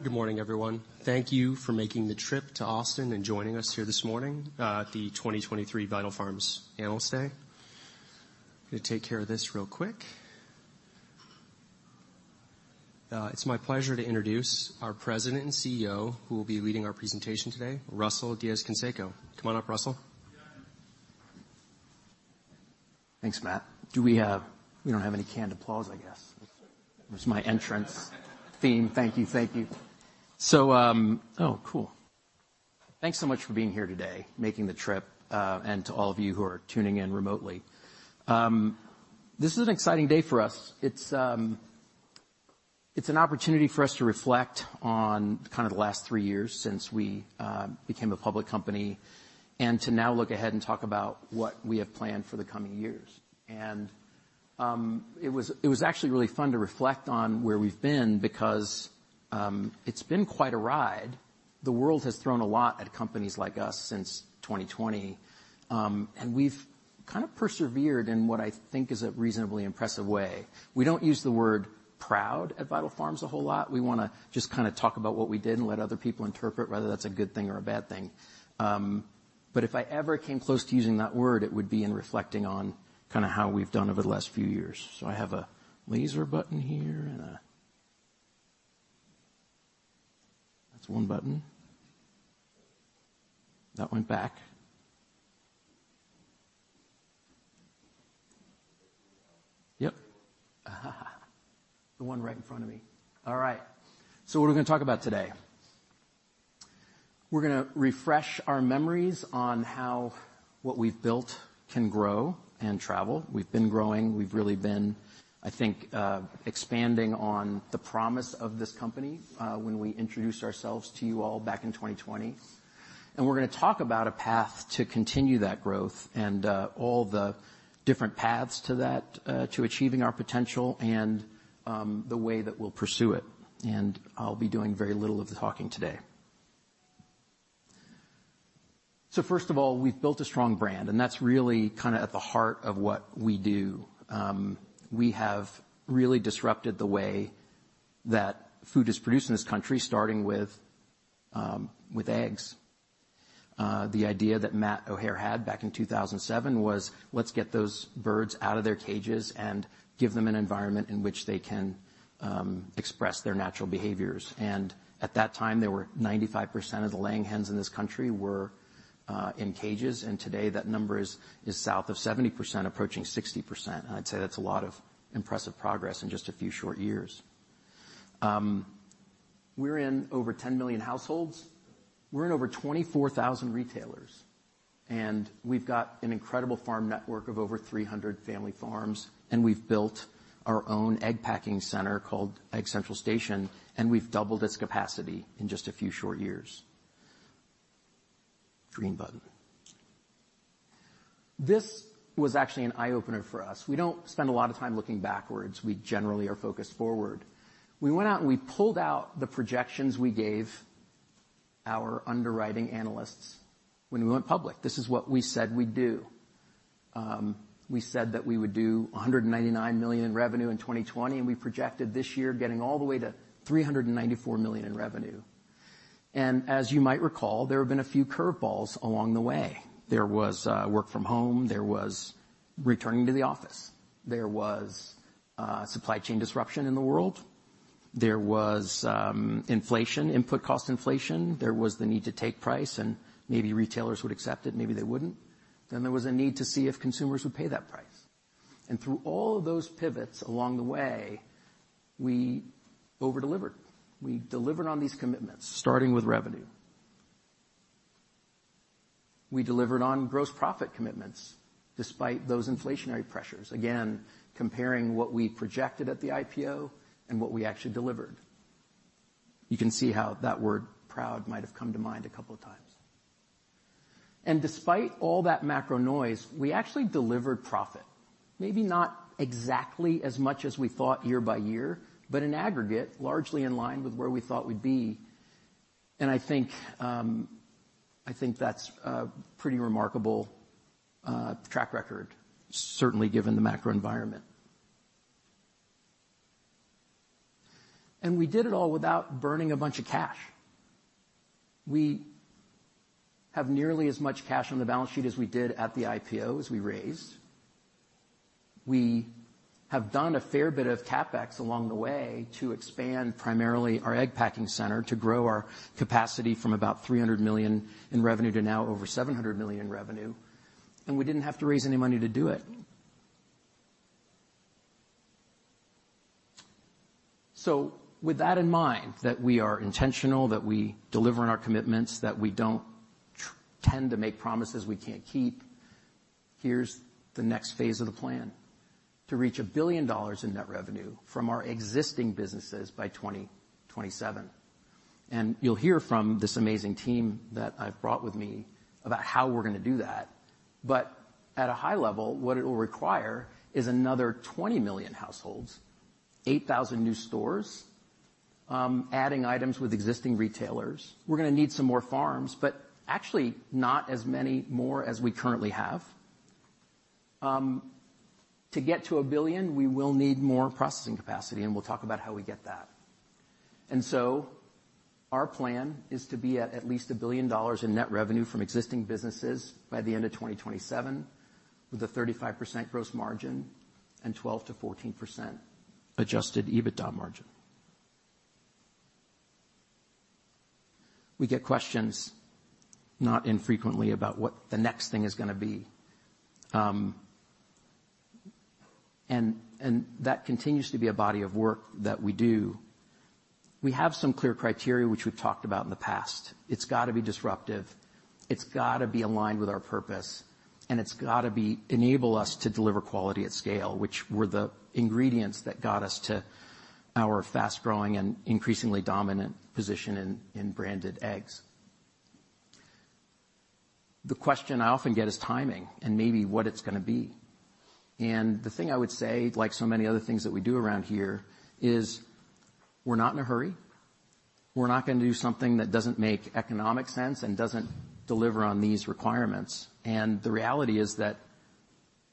Good morning, everyone. Thank you for making the trip to Austin and joining us here this morning at the 2023 Vital Farms Analyst Day. I'm gonna take care of this real quick. It's my pleasure to introduce our President and CEO, who will be leading our presentation today, Russell Diez-Canseco. Come on up, Russell. Thanks, Matt. Do we have... We don't have any canned applause, I guess. It was my entrance theme. Thank you. Thank you. So... Oh, cool. Thanks so much for being here today, making the trip, and to all of you who are tuning in remotely. This is an exciting day for us. It's, it's an opportunity for us to reflect on kind of the last three years since we became a public company, and to now look ahead and talk about what we have planned for the coming years. And, it was, it was actually really fun to reflect on where we've been because, it's been quite a ride. The world has thrown a lot at companies like us since 2020, and we've kind of persevered in what I think is a reasonably impressive way. We don't use the word "proud" at Vital Farms a whole lot. We wanna just kinda talk about what we did and let other people interpret whether that's a good thing or a bad thing. If I ever came close to using that word, it would be in reflecting on kinda how we've done over the last few years. I have a laser button here and a... That's one button. That went back. Yep. The one right in front of me. All right, what are we gonna talk about today? We're gonna refresh our memories on how what we've built can grow and travel. We've been growing. We've really been, I think, expanding on the promise of this company, when we introduced ourselves to you all back in 2020. We're gonna talk about a path to continue that growth and all the different paths to achieving our potential and the way that we'll pursue it, and I'll be doing very little of the talking today. First of all, we've built a strong brand, and that's really kinda at the heart of what we do. We have really disrupted the way that food is produced in this country, starting with eggs. The idea that Matt O'Hayer had back in 2007 was, "Let's get those birds out of their cages and give them an environment in which they can express their natural behaviors." At that time, 95% of the laying hens in this country were in cages, and today that number is south of 70%, approaching 60%. I'd say that's a lot of impressive progress in just a few short years. We're in over 10 million households. We're in over 24,000 retailers, and we've got an incredible farm network of over 300 family farms, and we've built our own egg packing center called Egg Central Station, and we've doubled its capacity in just a few short years. Green button. This was actually an eye-opener for us. We don't spend a lot of time looking backwards. We generally are focused forward. We went out and we pulled out the projections we gave our underwriting analysts when we went public. This is what we said we'd do. We said that we would do $199 million in revenue in 2020, and we projected this year, getting all the way to $394 million in revenue. As you might recall, there have been a few curve balls along the way. There was work from home. There was returning to the office. There was supply chain disruption in the world. There was inflation, input cost inflation. There was the need to take price, and maybe retailers would accept it, maybe they wouldn't. Then there was a need to see if consumers would pay that price. And through all of those pivots along the way, we over-delivered. We delivered on these commitments, starting with revenue. We delivered on gross profit commitments despite those inflationary pressures, again, comparing what we projected at the IPO and what we actually delivered. You can see how that word "proud" might have come to mind a couple of times. And despite all that macro noise, we actually delivered profit. Maybe not exactly as much as we thought year by year, but in aggregate, largely in line with where we thought we'd be. And I think, I think that's a pretty remarkable track record, certainly given the macro environment. And we did it all without burning a bunch of cash. We have nearly as much cash on the balance sheet as we did at the IPO, as we raised. We have done a fair bit of CapEx along the way to expand primarily our egg packing center, to grow our capacity from about $300 million in revenue to now over $700 million in revenue, and we didn't have to raise any money to do it. So with that in mind, that we are intentional, that we deliver on our commitments, that we don't tend to make promises we can't keep, here's the next phase of the plan: to reach $1 billion in net revenue from our existing businesses by 2027. And you'll hear from this amazing team that I've brought with me about how we're gonna do that. But at a high level, what it will require is another 20 million households, 8,000 new stores, adding items with existing retailers. We're gonna need some more farms, but actually not as many more as we currently have. To get to $1 billion, we will need more processing capacity, and we'll talk about how we get that. So our plan is to be at least $1 billion in net revenue from existing businesses by the end of 2027, with a 35% gross margin and 12%-14% adjusted EBITDA margin. We get questions, not infrequently, about what the next thing is gonna be. And that continues to be a body of work that we do. We have some clear criteria which we've talked about in the past. It's got to be disruptive, it's got to be aligned with our purpose, and it's got to be enable us to deliver quality at scale, which were the ingredients that got us to our fast-growing and increasingly dominant position in branded eggs. The question I often get is timing and maybe what it's gonna be. The thing I would say, like so many other things that we do around here, is we're not in a hurry. We're not gonna do something that doesn't make economic sense and doesn't deliver on these requirements. The reality is that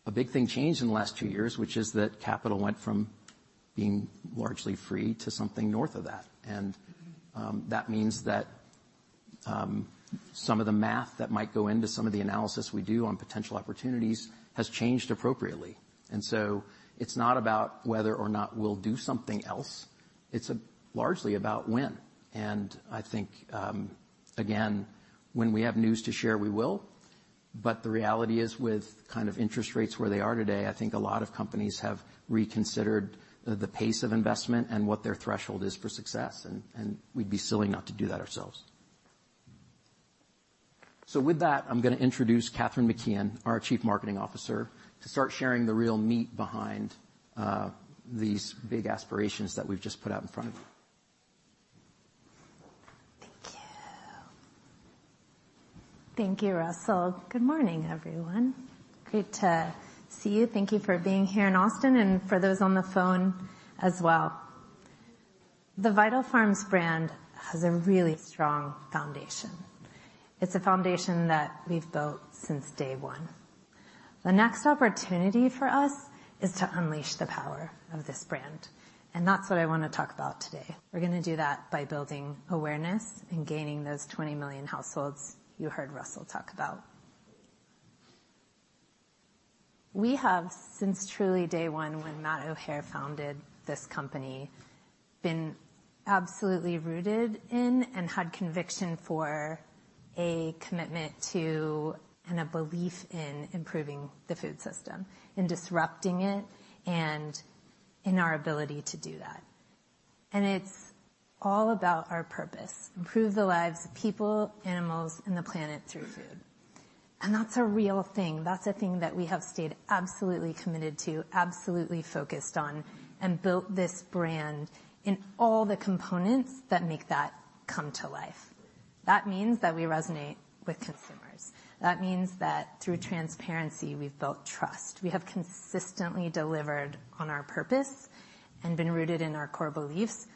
a big thing changed in the last 2 years, which is that capital went from being largely free to something north of that. That means that some of the math that might go into some of the analysis we do on potential opportunities has changed appropriately. So it's not about whether or not we'll do something else, it's largely about when. And I think, again, when we have news to share, we will, but the reality is with kind of interest rates where they are today, I think a lot of companies have reconsidered the, the pace of investment and what their threshold is for success, and, and we'd be silly not to do that ourselves. So with that, I'm gonna introduce Kathryn McKeon, our Chief Marketing Officer, to start sharing the real meat behind, these big aspirations that we've just put out in front of you. Thank you. Thank you, Russell. Good morning, everyone. Great to see you. Thank you for being here in Austin and for those on the phone as well. The Vital Farms brand has a really strong foundation. It's a foundation that we've built since day one. The next opportunity for us is to unleash the power of this brand, and that's what I want to talk about today. We're gonna do that by building awareness and gaining those 20 million households you heard Russell talk about. We have, since truly day one, when Matt O'Hayer founded this company, been absolutely rooted in and had conviction for a commitment to and a belief in improving the food system, in disrupting it, and in our ability to do that. And it's all about our purpose: improve the lives of people, animals, and the planet through food. That's a real thing. That's a thing that we have stayed absolutely committed to, absolutely focused on, and built this brand in all the components that make that come to life. That means that we resonate with consumers. That means that through transparency, we've built trust. We have consistently delivered on our purpose and been rooted in our core beliefs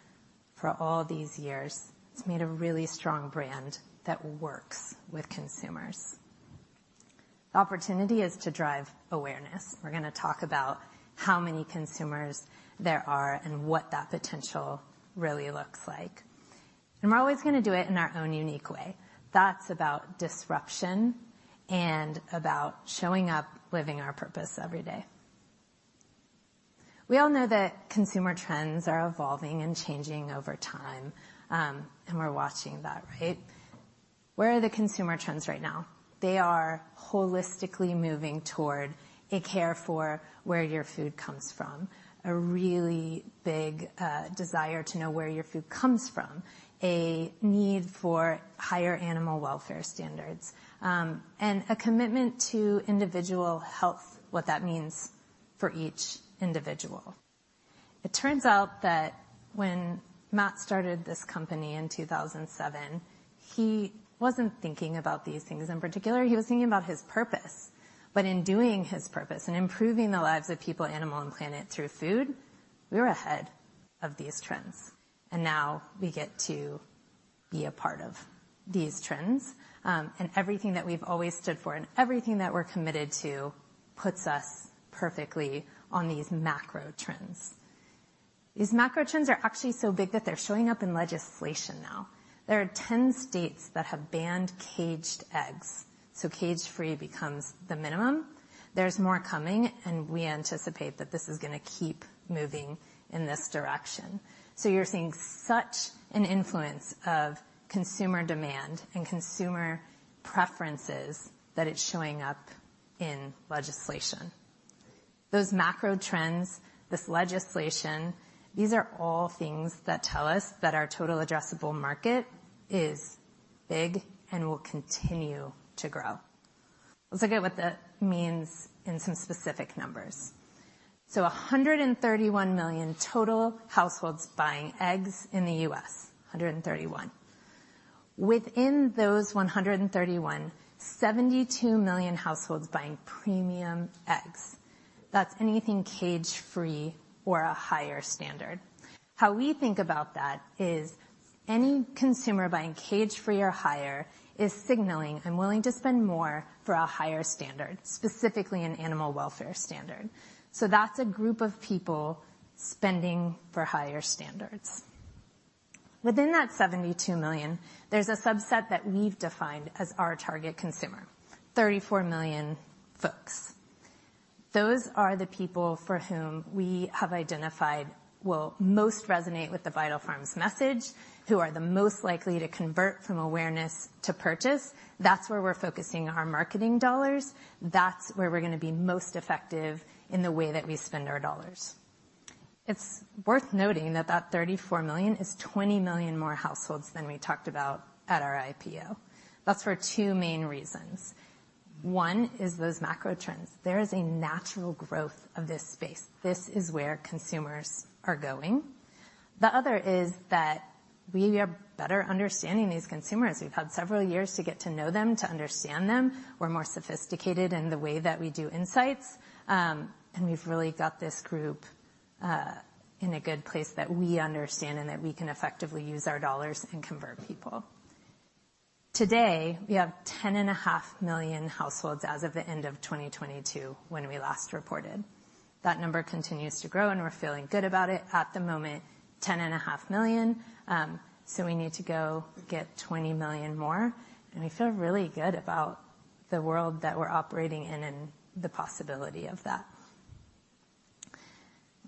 for all these years. It's made a really strong brand that works with consumers. The opportunity is to drive awareness. We're gonna talk about how many consumers there are and what that potential really looks like. And we're always gonna do it in our own unique way. That's about disruption and about showing up, living our purpose every day. We all know that consumer trends are evolving and changing over time, and we're watching that, right? Where are the consumer trends right now? They are holistically moving toward a care for where your food comes from, a really big desire to know where your food comes from, a need for higher animal welfare standards, and a commitment to individual health, what that means for each individual. It turns out that when Matt started this company in 2007, he wasn't thinking about these things. In particular, he was thinking about his purpose. But in doing his purpose and improving the lives of people, animal, and planet through food, we were ahead of these trends, and now we get to be a part of these trends. And everything that we've always stood for and everything that we're committed to puts us perfectly on these macro trends. These macro trends are actually so big that they're showing up in legislation now. There are 10 states that have banned caged eggs, so cage-free becomes the minimum. There's more coming, and we anticipate that this is gonna keep moving in this direction. You're seeing such an influence of consumer demand and consumer preferences, that it's showing up in legislation. Those macro trends, this legislation, these are all things that tell us that our total addressable market is big and will continue to grow. Let's look at what that means in some specific numbers. 131 million total households buying eggs in the U.S., 131. Within those 131, 72 million households buying premium eggs. That's anything cage-free or a higher standard. How we think about that is any consumer buying cage-free or higher is signaling, "I'm willing to spend more for a higher standard," specifically an animal welfare standard. So that's a group of people spending for higher standards. Within that 72 million, there's a subset that we've defined as our target consumer, 34 million folks. Those are the people for whom we have identified will most resonate with the Vital Farms message, who are the most likely to convert from awareness to purchase. That's where we're focusing our marketing dollars. That's where we're gonna be most effective in the way that we spend our dollars. It's worth noting that that 34 million is 20 million more households than we talked about at our IPO. That's for two main reasons. One is those macro trends. There is a natural growth of this space. This is where consumers are going. The other is that we are better understanding these consumers. We've had several years to get to know them, to understand them. We're more sophisticated in the way that we do insights, and we've really got this group in a good place that we understand and that we can effectively use our dollars and convert people. Today, we have 10.5 million households as of the end of 2022, when we last reported. That number continues to grow, and we're feeling good about it. At the moment, 10.5 million, so we need to go get 20 million more, and we feel really good about the world that we're operating in and the possibility of that.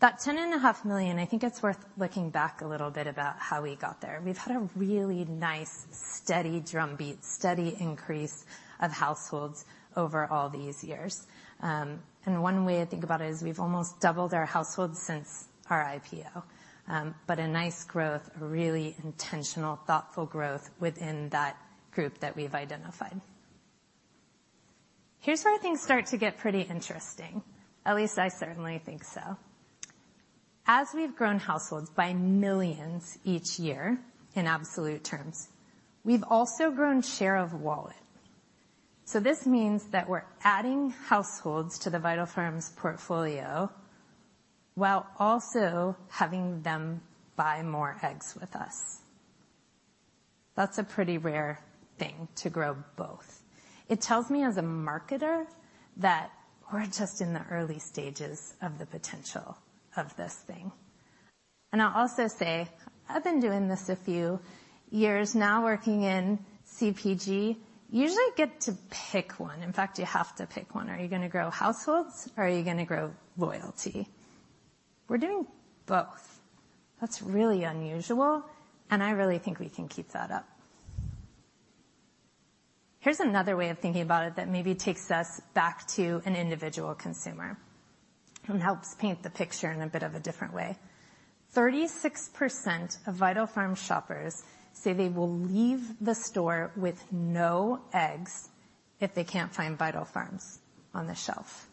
That 10.5 million, I think it's worth looking back a little bit about how we got there. We've had a really nice, steady drumbeat, steady increase of households over all these years. And one way I think about it is we've almost doubled our households since our IPO. But a nice growth, a really intentional, thoughtful growth within that group that we've identified. Here's where things start to get pretty interesting. At least I certainly think so. As we've grown households by millions each year, in absolute terms, we've also grown share of wallet. So this means that we're adding households to the Vital Farms portfolio, while also having them buy more eggs with us. That's a pretty rare thing to grow both. It tells me as a marketer, that we're just in the early stages of the potential of this thing. And I'll also say, I've been doing this a few years now, working in CPG. You usually get to pick one. In fact, you have to pick one. Are you gonna grow households, or are you gonna grow loyalty? We're doing both. That's really unusual, and I really think we can keep that up. Here's another way of thinking about it that maybe takes us back to an individual consumer and helps paint the picture in a bit of a different way. 36% of Vital Farms shoppers say they will leave the store with no eggs if they can't find Vital Farms on the shelf.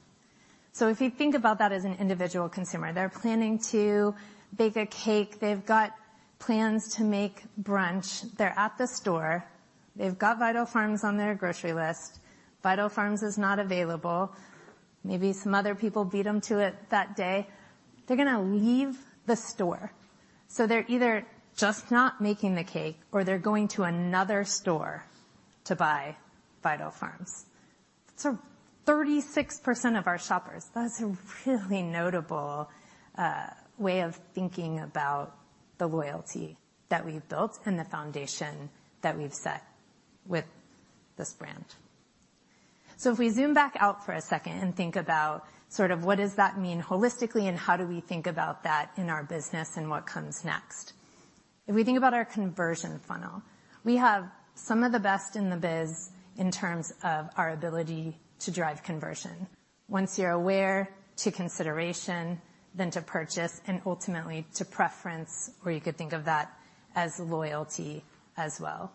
So if you think about that as an individual consumer, they're planning to bake a cake, they've got plans to make brunch. They're at the store. They've got Vital Farms on their grocery list. Vital Farms is not available. Maybe some other people beat them to it that day. They're gonna leave the store. So they're either just not making the cake or they're going to another store to buy Vital Farms. So 36% of our shoppers, that's a really notable way of thinking about the loyalty that we've built and the foundation that we've set with this brand. So if we zoom back out for a second and think about sort of what does that mean holistically, and how do we think about that in our business and what comes next? If we think about our conversion funnel, we have some of the best in the biz in terms of our ability to drive conversion. Once you're aware, to consideration, then to purchase, and ultimately to preference, or you could think of that as loyalty as well.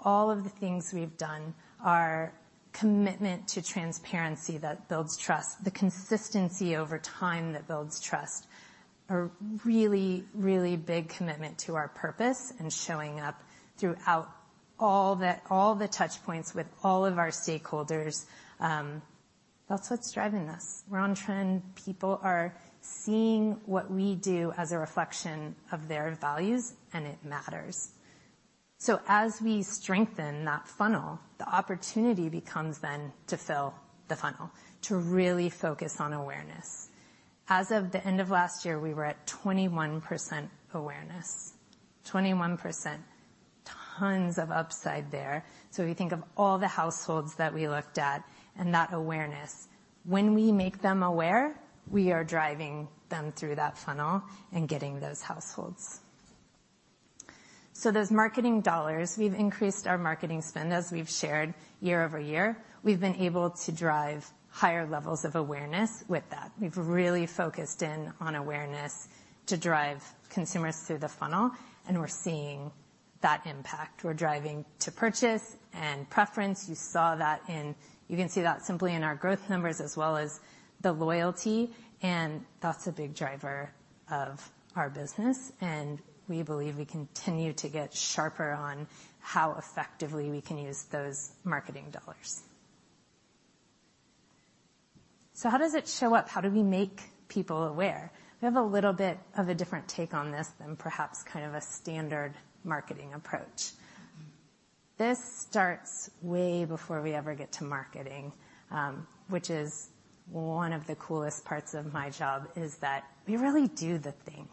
All of the things we've done, our commitment to transparency that builds trust, the consistency over time that builds trust, a really, really big commitment to our purpose, and showing up throughout all the, all the touch points with all of our stakeholders, that's what's driving this. We're on trend. People are seeing what we do as a reflection of their values, and it matters. So as we strengthen that funnel, the opportunity becomes then to fill the funnel, to really focus on awareness. As of the end of last year, we were at 21% awareness. 21%, tons of upside there. So if you think of all the households that we looked at and that awareness, when we make them aware, we are driving them through that funnel and getting those households. So those marketing dollars, we've increased our marketing spend as we've shared year-over-year. We've been able to drive higher levels of awareness with that. We've really focused in on awareness to drive consumers through the funnel, and we're seeing that impact. We're driving to purchase and preference. You can see that simply in our growth numbers as well as the loyalty... and that's a big driver of our business, and we believe we continue to get sharper on how effectively we can use those marketing dollars. So how does it show up? How do we make people aware? We have a little bit of a different take on this than perhaps kind of a standard marketing approach. This starts way before we ever get to marketing, which is one of the coolest parts of my job, is that we really do the thing.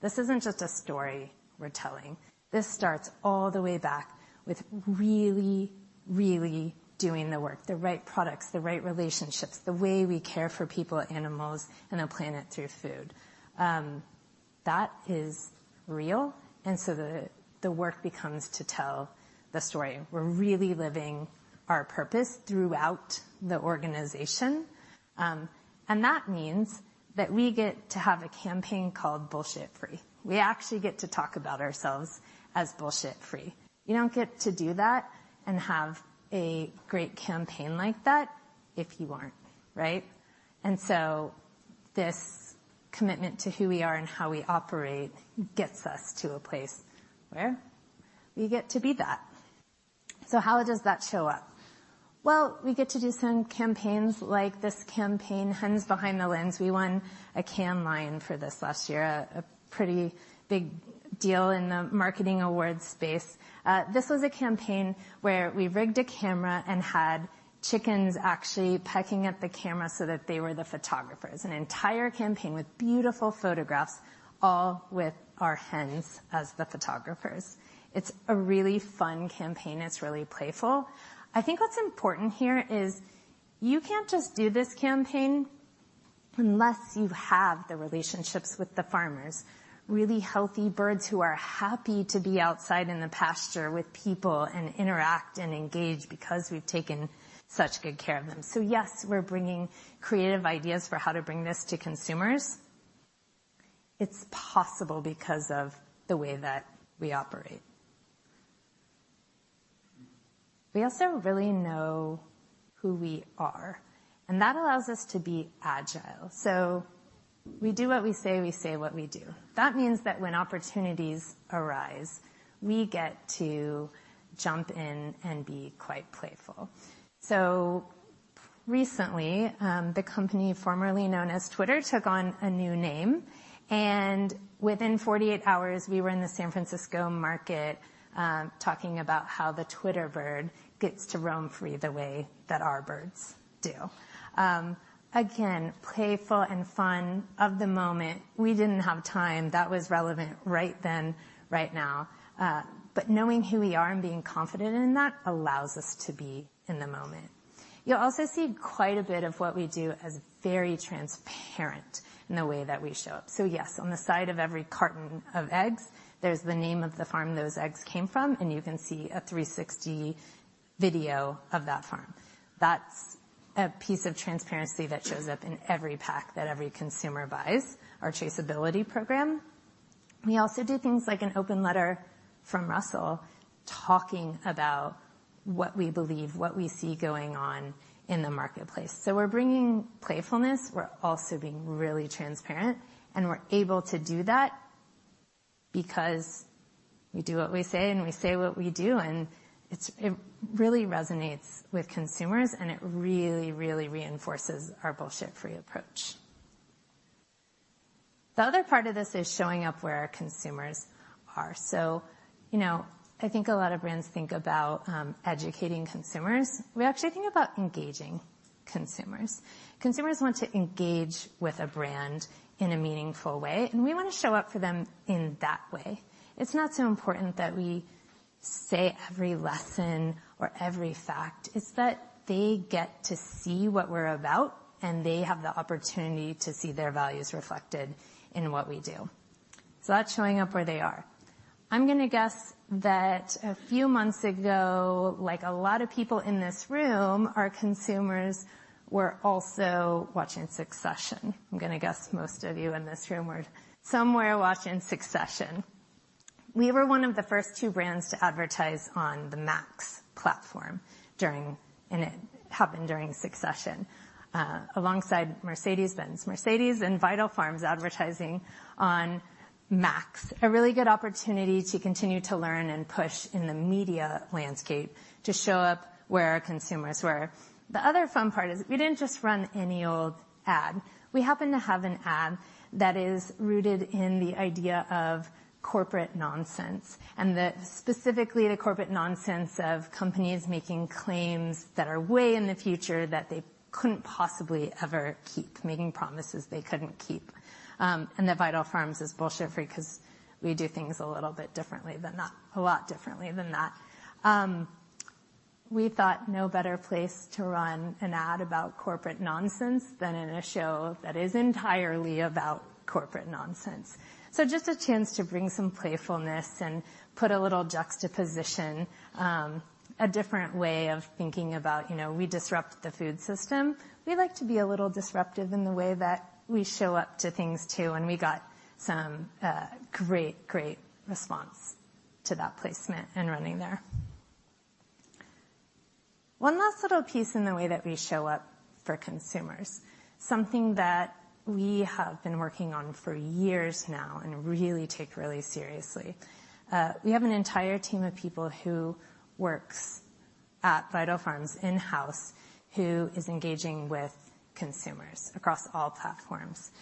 This isn't just a story we're telling. This starts all the way back with really, really doing the work, the right products, the right relationships, the way we care for people, animals, and the planet through food. That is real, and so the work becomes to tell the story. We're really living our purpose throughout the organization. And that means that we get to have a campaign called Bullshit Free. We actually get to talk about ourselves as bullshit free. You don't get to do that and have a great campaign like that if you aren't, right? And so this commitment to who we are and how we operate gets us to a place where we get to be that. So how does that show up? Well, we get to do some campaigns like this campaign, Hens Behind the Lens. We won a Cannes Lion for this last year, a pretty big deal in the marketing awards space. This was a campaign where we rigged a camera and had chickens actually pecking at the camera so that they were the photographers. An entire campaign with beautiful photographs, all with our hens as the photographers. It's a really fun campaign. It's really playful. I think what's important here is you can't just do this campaign unless you have the relationships with the farmers. Really healthy birds who are happy to be outside in the pasture with people and interact and engage because we've taken such good care of them. So, yes, we're bringing creative ideas for how to bring this to consumers. It's possible because of the way that we operate. We also really know who we are, and that allows us to be agile. So we do what we say, we say what we do. That means that when opportunities arise, we get to jump in and be quite playful. So recently, the company formerly known as Twitter, took on a new name, and within 48 hours, we were in the San Francisco market, talking about how the Twitter bird gets to roam free the way that our birds do. Again, playful and fun, of the moment. We didn't have time. That was relevant right then, right now. But knowing who we are and being confident in that allows us to be in the moment. You'll also see quite a bit of what we do as very transparent in the way that we show up. So yes, on the side of every carton of eggs, there's the name of the farm those eggs came from, and you can see a three sixty video of that farm. That's a piece of transparency that shows up in every pack that every consumer buys, our traceability program. We also do things like an open letter from Russell, talking about what we believe, what we see going on in the marketplace. So we're bringing playfulness. We're also being really transparent, and we're able to do that because we do what we say, and we say what we do, and it really resonates with consumers, and it really, really reinforces our Bullshit Free approach. The other part of this is showing up where our consumers are. So, you know, I think a lot of brands think about educating consumers. We actually think about engaging consumers. Consumers want to engage with a brand in a meaningful way, and we want to show up for them in that way. It's not so important that we say every lesson or every fact. It's that they get to see what we're about, and they have the opportunity to see their values reflected in what we do. So that's showing up where they are. I'm gonna guess that a few months ago, like a lot of people in this room, our consumers were also watching Succession. I'm gonna guess most of you in this room were somewhere watching Succession. We were one of the first two brands to advertise on the Max platform during and it happened during Succession, alongside Mercedes-Benz. Mercedes and Vital Farms advertising on Max. A really good opportunity to continue to learn and push in the media landscape to show up where our consumers were. The other fun part is we didn't just run any old ad. We happened to have an ad that is rooted in the idea of corporate nonsense, and the specifically the corporate nonsense of companies making claims that are way in the future that they couldn't possibly ever keep, making promises they couldn't keep. And that Vital Farms is Bullshit Free because we do things a little bit differently than that, a lot differently than that. We thought no better place to run an ad about corporate nonsense than in a show that is entirely about corporate nonsense. So just a chance to bring some playfulness and put a little juxtaposition, a different way of thinking about, you know, we disrupt the food system. We like to be a little disruptive in the way that we show up to things, too, and we got some great, great response to that placement and running there. One last little piece in the way that we show up for consumers, something that we have been working on for years now and really take really seriously. We have an entire team of people who works at Vital Farms in-house, who is engaging with consumers across all platforms: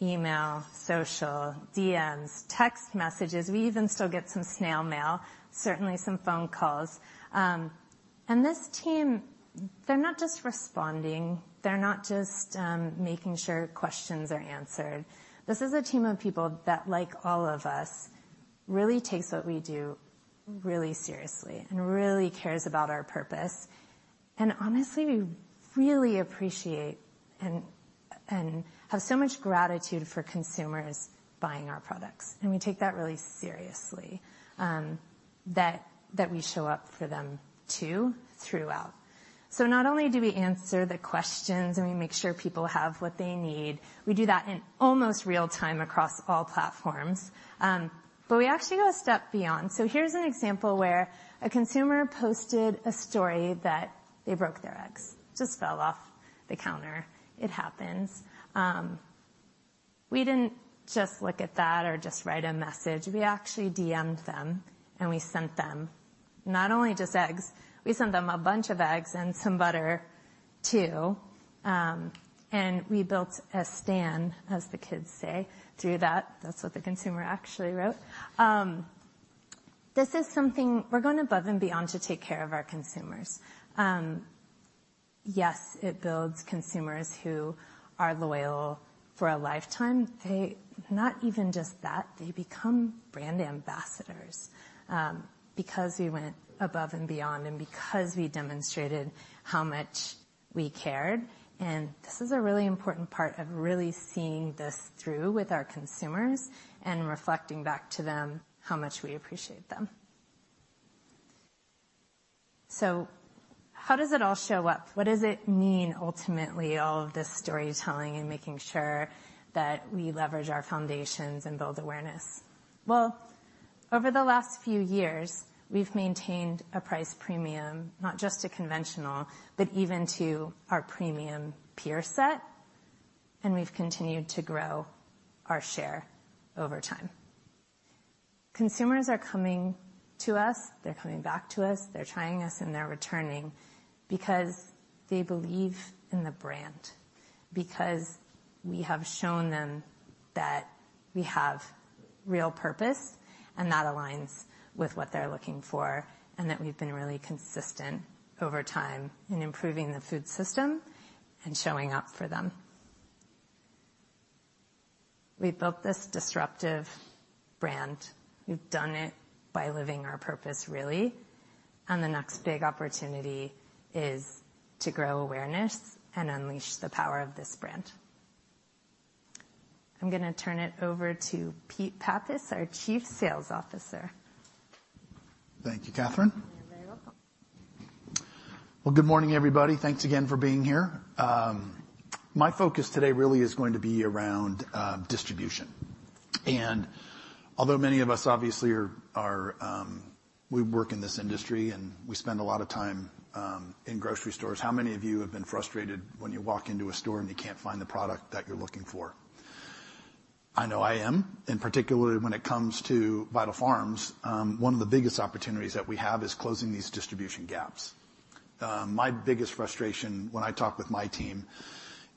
email, social, DMs, text messages. We even still get some snail mail, certainly some phone calls. This team, they're not just responding, they're not just making sure questions are answered. This is a team of people that, like all of us, really takes what we do really seriously and really cares about our purpose. Honestly, we really appreciate and have so much gratitude for consumers buying our products, and we take that really seriously, that we show up for them, too, throughout. Not only do we answer the questions, and we make sure people have what they need, we do that in almost real time across all platforms, but we actually go a step beyond. Here's an example where a consumer posted a story that they broke their eggs. Just fell off the counter. It happens. We didn't just look at that or just write a message. We actually DM'd them, and we sent them not only just eggs, we sent them a bunch of eggs and some butter, too. We built a stan, as the kids say, through that. That's what the consumer actually wrote. This is something... We're going above and beyond to take care of our consumers. Yes, it builds consumers who are loyal for a lifetime. They—not even just that, they become brand ambassadors, because we went above and beyond and because we demonstrated how much we cared. And this is a really important part of really seeing this through with our consumers and reflecting back to them how much we appreciate them. So how does it all show up? What does it mean, ultimately, all of this storytelling and making sure that we leverage our foundations and build awareness? Well, over the last few years, we've maintained a price premium, not just to conventional, but even to our premium peer set, and we've continued to grow our share over time. Consumers are coming to us, they're coming back to us, they're trying us, and they're returning because they believe in the brand, because we have shown them that we have real purpose, and that aligns with what they're looking for, and that we've been really consistent over time in improving the food system and showing up for them. We've built this disruptive brand. We've done it by living our purpose, really, and the next big opportunity is to grow awareness and unleash the power of this brand. I'm gonna turn it over to Pete Pappas, our Chief Sales Officer. Thank you, Kathryn. You're very welcome. Well, good morning, everybody. Thanks again for being here. My focus today really is going to be around distribution. And although many of us obviously are We work in this industry, and we spend a lot of time in grocery stores, how many of you have been frustrated when you walk into a store, and you can't find the product that you're looking for? I know I am, and particularly when it comes to Vital Farms, one of the biggest opportunities that we have is closing these distribution gaps. My biggest frustration when I talk with my team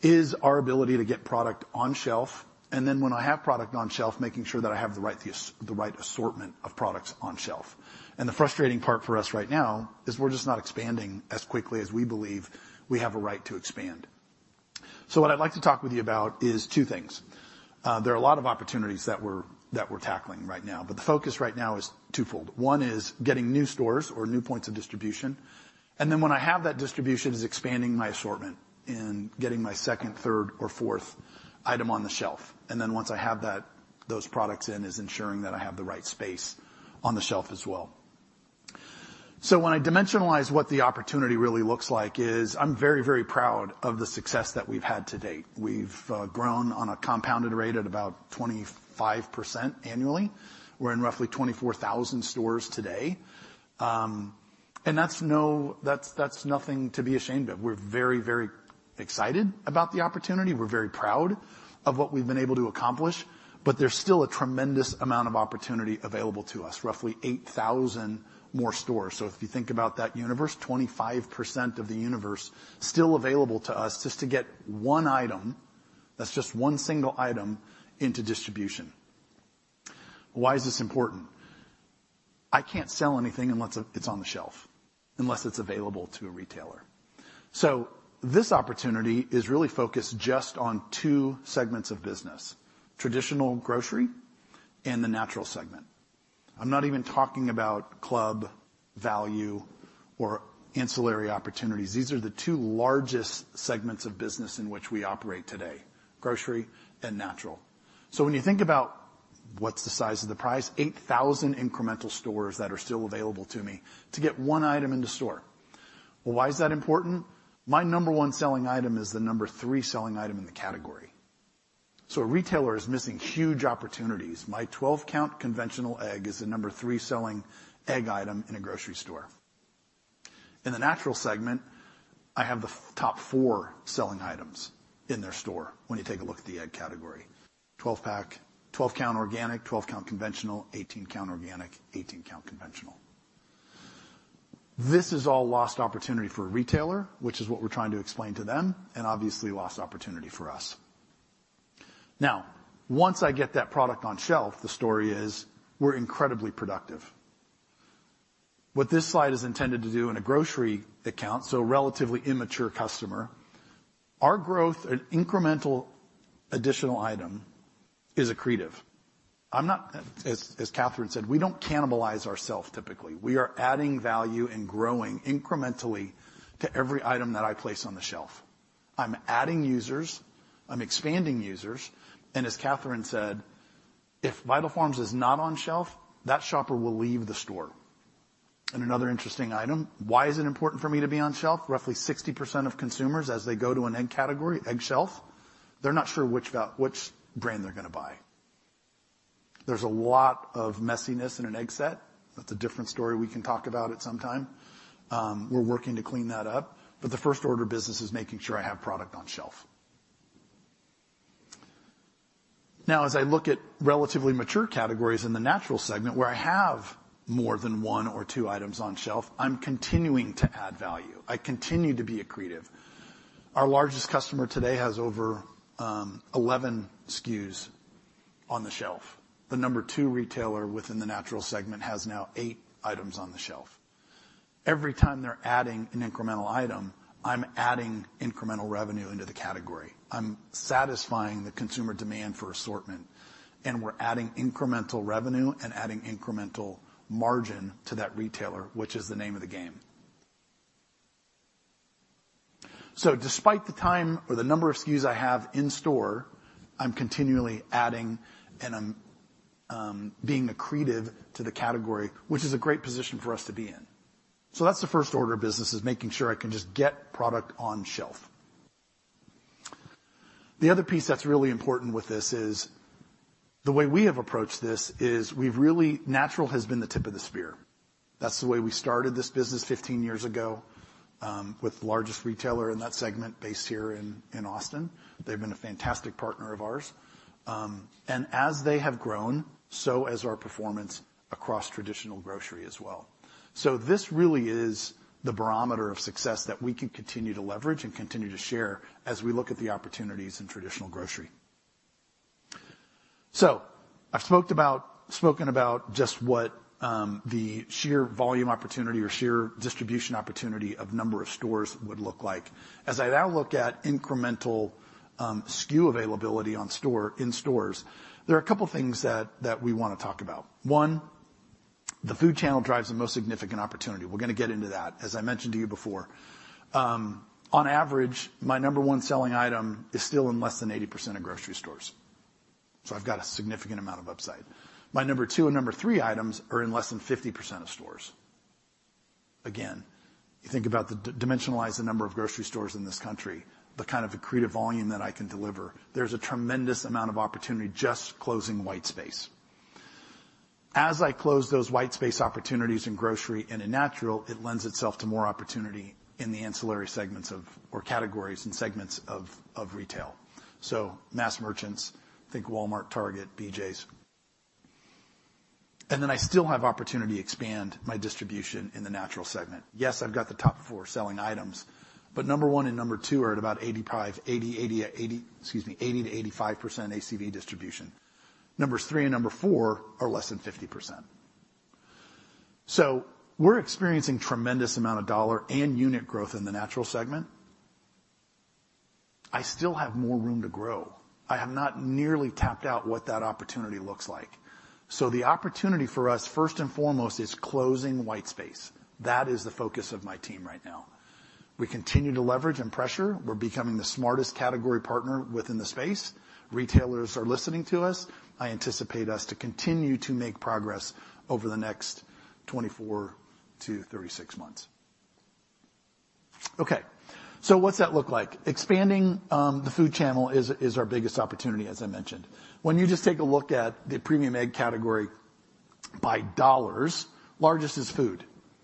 is our ability to get product on shelf, and then when I have product on shelf, making sure that I have the right the right assortment of products on shelf. The frustrating part for us right now is we're just not expanding as quickly as we believe we have a right to expand. What I'd like to talk with you about is two things. There are a lot of opportunities that we're tackling right now, but the focus right now is twofold. One is getting new stores or new points of distribution, and then when I have that distribution, expanding my assortment and getting my second, third, or fourth item on the shelf. Once I have those products in, ensuring that I have the right space on the shelf as well. When I dimensionalize what the opportunity really looks like, I'm very, very proud of the success that we've had to date. We've grown on a compounded rate at about 25% annually. We're in roughly 24,000 stores today. And that's nothing to be ashamed of. We're very, very excited about the opportunity. We're very proud of what we've been able to accomplish, but there's still a tremendous amount of opportunity available to us, roughly 8,000 more stores. So if you think about that universe, 25% of the universe still available to us just to get one item, that's just one single item, into distribution. Why is this important? I can't sell anything unless it's on the shelf, unless it's available to a retailer. So this opportunity is really focused just on two segments of business: traditional grocery and the natural segment. I'm not even talking about club, value, or ancillary opportunities. These are the two largest segments of business in which we operate today, grocery and natural. When you think about what's the size of the prize, 8,000 incremental stores that are still available to me to get one item in the store. Well, why is that important? My number one selling item is the number three selling item in the category. A retailer is missing huge opportunities. My 12-count conventional egg is the number three selling egg item in a grocery store. In the natural segment, I have the top four selling items in their store, when you take a look at the egg category: 12-pack, 12-count organic, 12-count conventional, 18-count organic, 18-count conventional. This is all lost opportunity for a retailer, which is what we're trying to explain to them, and obviously, lost opportunity for us. Now, once I get that product on shelf, the story is we're incredibly productive. What this slide is intended to do in a grocery account, so a relatively immature customer, our growth, an incremental additional item, is accretive. As Kathryn said, we don't cannibalize ourself typically. We are adding value and growing incrementally to every item that I place on the shelf. I'm adding users, I'm expanding users, and as Kathryn said, if Vital Farms is not on shelf, that shopper will leave the store. Another interesting item: Why is it important for me to be on shelf? Roughly 60% of consumers, as they go to an egg category, egg shelf, they're not sure which brand they're gonna buy. There's a lot of messiness in an egg set. That's a different story we can talk about at some time. We're working to clean that up, but the first order of business is making sure I have product on shelf. Now, as I look at relatively mature categories in the natural segment, where I have more than 1 or 2 items on shelf, I'm continuing to add value. I continue to be accretive. Our largest customer today has over 11 SKUs on the shelf. The number two retailer within the natural segment has now 8 items on the shelf. Every time they're adding an incremental item, I'm adding incremental revenue into the category. I'm satisfying the consumer demand for assortment, and we're adding incremental revenue and adding incremental margin to that retailer, which is the name of the game. Despite the time or the number of SKUs I have in store, I'm continually adding and I'm being accretive to the category, which is a great position for us to be in. That's the first order of business, making sure I can just get product on shelf. The other piece that's really important with this is, the way we have approached this is we've really—natural has been the tip of the spear. That's the way we started this business 15 years ago, with the largest retailer in that segment, based here in Austin. They've been a fantastic partner of ours. As they have grown, so has our performance across traditional grocery as well. This really is the barometer of success that we can continue to leverage and continue to share as we look at the opportunities in traditional grocery. So I've spoken about just what the sheer volume opportunity or sheer distribution opportunity of number of stores would look like. As I now look at incremental SKU availability on store, in stores, there are a couple things that we want to talk about. One, the food channel drives the most significant opportunity. We're gonna get into that. As I mentioned to you before, on average, my number one selling item is still in less than 80% of grocery stores, so I've got a significant amount of upside. My number two and number three items are in less than 50% of stores. Again, you think about the dimensionalize the number of grocery stores in this country, the kind of accretive volume that I can deliver, there's a tremendous amount of opportunity just closing white space. As I close those white space opportunities in grocery and in natural, it lends itself to more opportunity in the ancillary segments of or categories and segments of retail. So mass merchants, think Walmart, Target, BJ's. And then I still have opportunity to expand my distribution in the natural segment. Yes, I've got the top four selling items, but number one and number two are at about 80 to 85% ACV distribution. Numbers three and number four are less than 50%. So we're experiencing tremendous amount of dollar and unit growth in the natural segment. I still have more room to grow. I have not nearly tapped out what that opportunity looks like. So the opportunity for us, first and foremost, is closing white space. That is the focus of my team right now. We continue to leverage and pressure. We're becoming the smartest category partner within the space. Retailers are listening to us. I anticipate us to continue to make progress over the next 24-36 months. Okay, what's that look like? Expanding, the food channel is our biggest opportunity, as I mentioned. When you just take a look at the premium egg category by dollars, largest is food.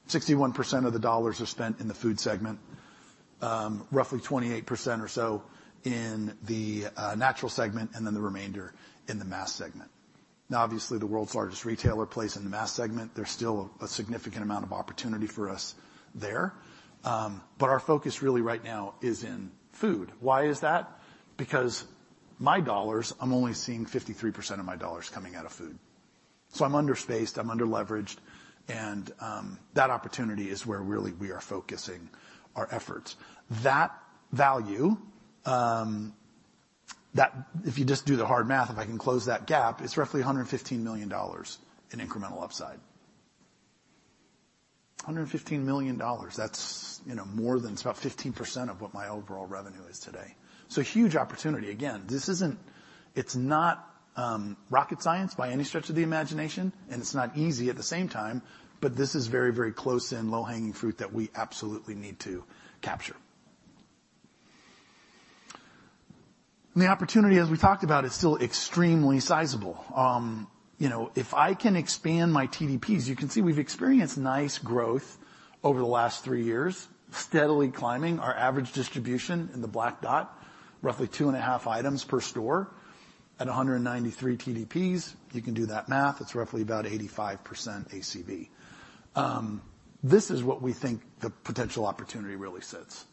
61% of the dollars are spent in the food segment, roughly 28% or so in the natural segment, and then the remainder in the mass segment. Now, obviously, the world's largest retailer plays in the mass segment. There's still a significant amount of opportunity for us there, but our focus really right now is in food. Why is that? Because my dollars, I'm only seeing 53% of my dollars coming out of food. So I'm under-spaced, I'm under-leveraged, and that opportunity is where really we are focusing our efforts. That value. If you just do the hard math, if I can close that gap, it's roughly $115 million in incremental upside. $115 million, that's, you know, more than, it's about 15% of what my overall revenue is today. So huge opportunity. Again, this isn't. It's not rocket science by any stretch of the imagination, and it's not easy at the same time, but this is very, very close and low-hanging fruit that we absolutely need to capture.... And the opportunity, as we talked about, is still extremely sizable. You know, if I can expand my TDPs, you can see we've experienced nice growth over the last three years, steadily climbing our average distribution in the black dot, roughly 2.5 items per store at 193 TDPs. You can do that math. It's roughly about 85% ACV. This is what we think the potential opportunity really sits.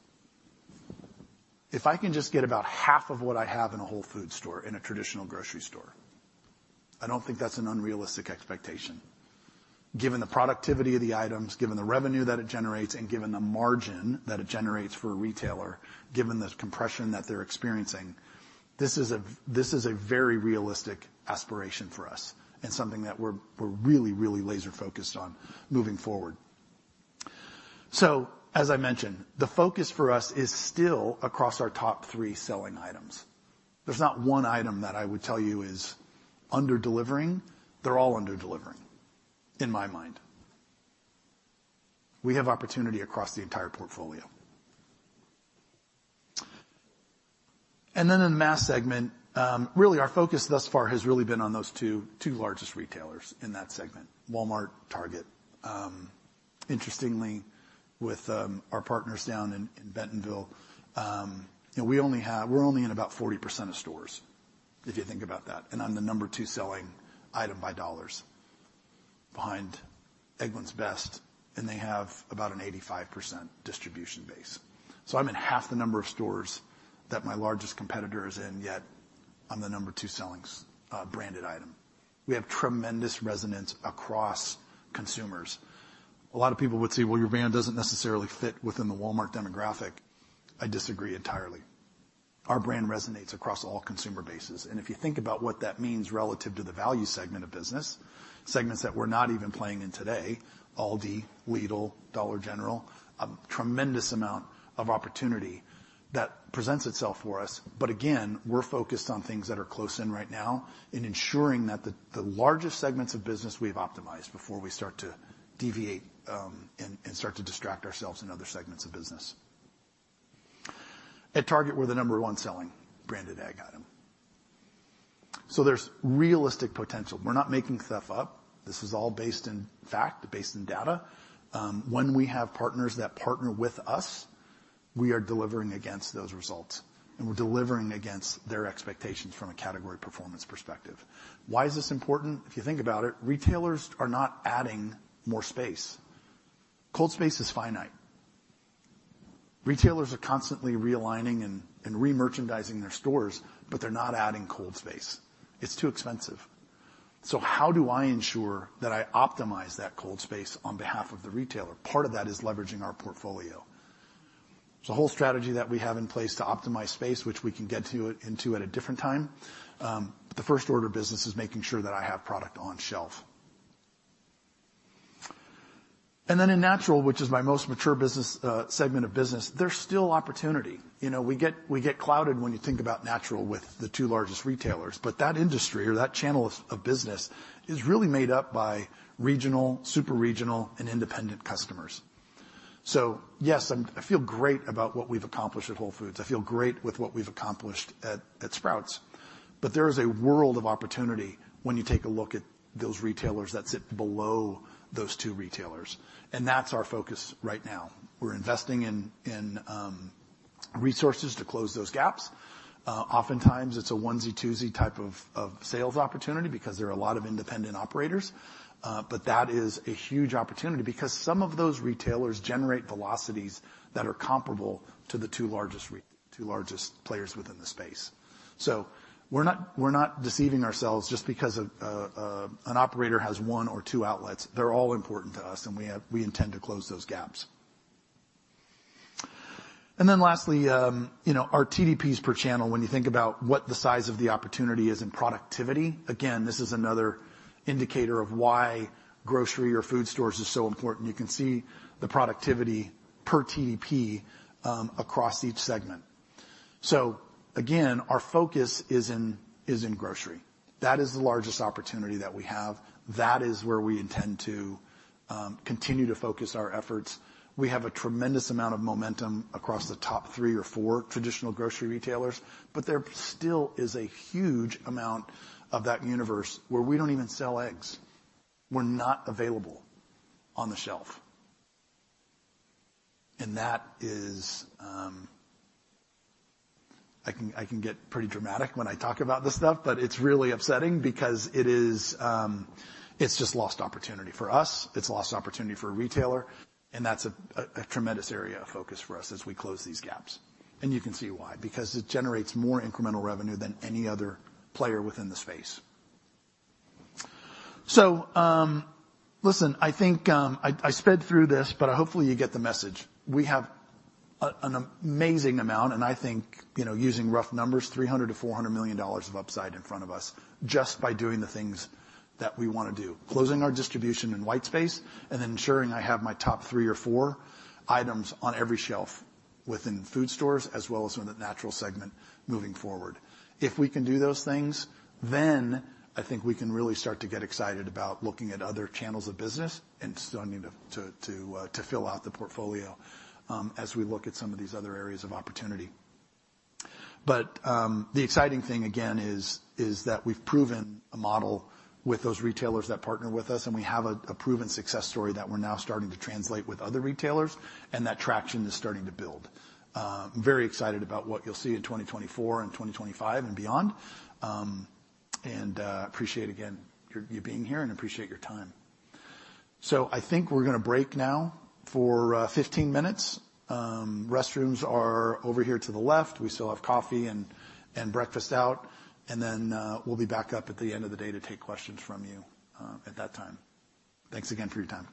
If I can just get about half of what I have in a Whole Foods store, in a traditional grocery store, I don't think that's an unrealistic expectation, given the productivity of the items, given the revenue that it generates, and given the margin that it generates for a retailer, given the compression that they're experiencing. This is a, this is a very realistic aspiration for us and something that we're, we're really, really laser-focused on moving forward. As I mentioned, the focus for us is still across our top three selling items. There's not one item that I would tell you is under-delivering. They're all under-delivering, in my mind. We have opportunity across the entire portfolio. In the mass segment, really, our focus thus far has really been on those two largest retailers in that segment, Walmart, Target. Interestingly, with our partners down in Bentonville, you know, we only have— we're only in about 40% of stores, if you think about that, and I'm the number two selling item by dollars behind Eggland's Best, and they have about an 85% distribution base. So I'm in half the number of stores that my largest competitor is in, yet I'm the number two selling branded item. We have tremendous resonance across consumers. A lot of people would say, "Well, your brand doesn't necessarily fit within the Walmart demographic." I disagree entirely. Our brand resonates across all consumer bases, and if you think about what that means relative to the value segment of business, segments that we're not even playing in today, Aldi, Lidl, Dollar General, a tremendous amount of opportunity that presents itself for us. But again, we're focused on things that are close in right now and ensuring that the largest segments of business we've optimized before we start to deviate, and start to distract ourselves in other segments of business. At Target, we're the number one selling branded egg item. So there's realistic potential. We're not making stuff up. This is all based in fact, based on data. When we have partners that partner with us, we are delivering against those results, and we're delivering against their expectations from a category performance perspective. Why is this important? If you think about it, retailers are not adding more space. Cold space is finite. Retailers are constantly realigning and remerchandising their stores, but they're not adding cold space. It's too expensive. So how do I ensure that I optimize that cold space on behalf of the retailer? Part of that is leveraging our portfolio. There's a whole strategy that we have in place to optimize space, which we can get to, into at a different time. But the first order of business is making sure that I have product on shelf. And then in natural, which is my most mature business segment of business, there's still opportunity. You know, we get clouded when you think about natural with the two largest retailers, but that industry or that channel of business is really made up by regional, super regional, and independent customers. So yes, I feel great about what we've accomplished at Whole Foods. I feel great with what we've accomplished at Sprouts. But there is a world of opportunity when you take a look at those retailers that sit below those two retailers, and that's our focus right now. We're investing in resources to close those gaps. Oftentimes it's a onesie, twosie type of sales opportunity because there are a lot of independent operators. But that is a huge opportunity because some of those retailers generate velocities that are comparable to the two largest players within the space. So we're not deceiving ourselves just because an operator has one or two outlets. They're all important to us, and we intend to close those gaps. And then lastly, you know, our TDPs per channel, when you think about what the size of the opportunity is in productivity, again, this is another indicator of why grocery or food stores are so important. You can see the productivity per TDP across each segment. So again, our focus is in grocery. That is the largest opportunity that we have. That is where we intend to continue to focus our efforts. We have a tremendous amount of momentum across the top three or four traditional grocery retailers, but there still is a huge amount of that universe where we don't even sell eggs. We're not available on the shelf. That is, I can, I can get pretty dramatic when I talk about this stuff, but it's really upsetting because it is, it's just lost opportunity for us, it's lost opportunity for a retailer, and that's a tremendous area of focus for us as we close these gaps. And you can see why, because it generates more incremental revenue than any other player within the space. So, listen, I think, I sped through this, but hopefully, you get the message. We have an amazing amount, and I think, you know, using rough numbers, $300 million-$400 million of upside in front of us just by doing the things that we want to do, closing our distribution in white space and ensuring I have my top three or four items on every shelf within food stores as well as in the natural segment moving forward. If we can do those things, then I think we can really start to get excited about looking at other channels of business and starting to fill out the portfolio, as we look at some of these other areas of opportunity. But, the exciting thing again is that we've proven a model with those retailers that partner with us, and we have a proven success story that we're now starting to translate with other retailers, and that traction is starting to build. Very excited about what you'll see in 2024 and 2025 and beyond. And, appreciate again you being here and appreciate your time. So I think we're gonna break now for 15 minutes. Restrooms are over here to the left. We still have coffee and breakfast out, and then, we'll be back up at the end of the day to take questions from you, at that time. Thanks again for your time.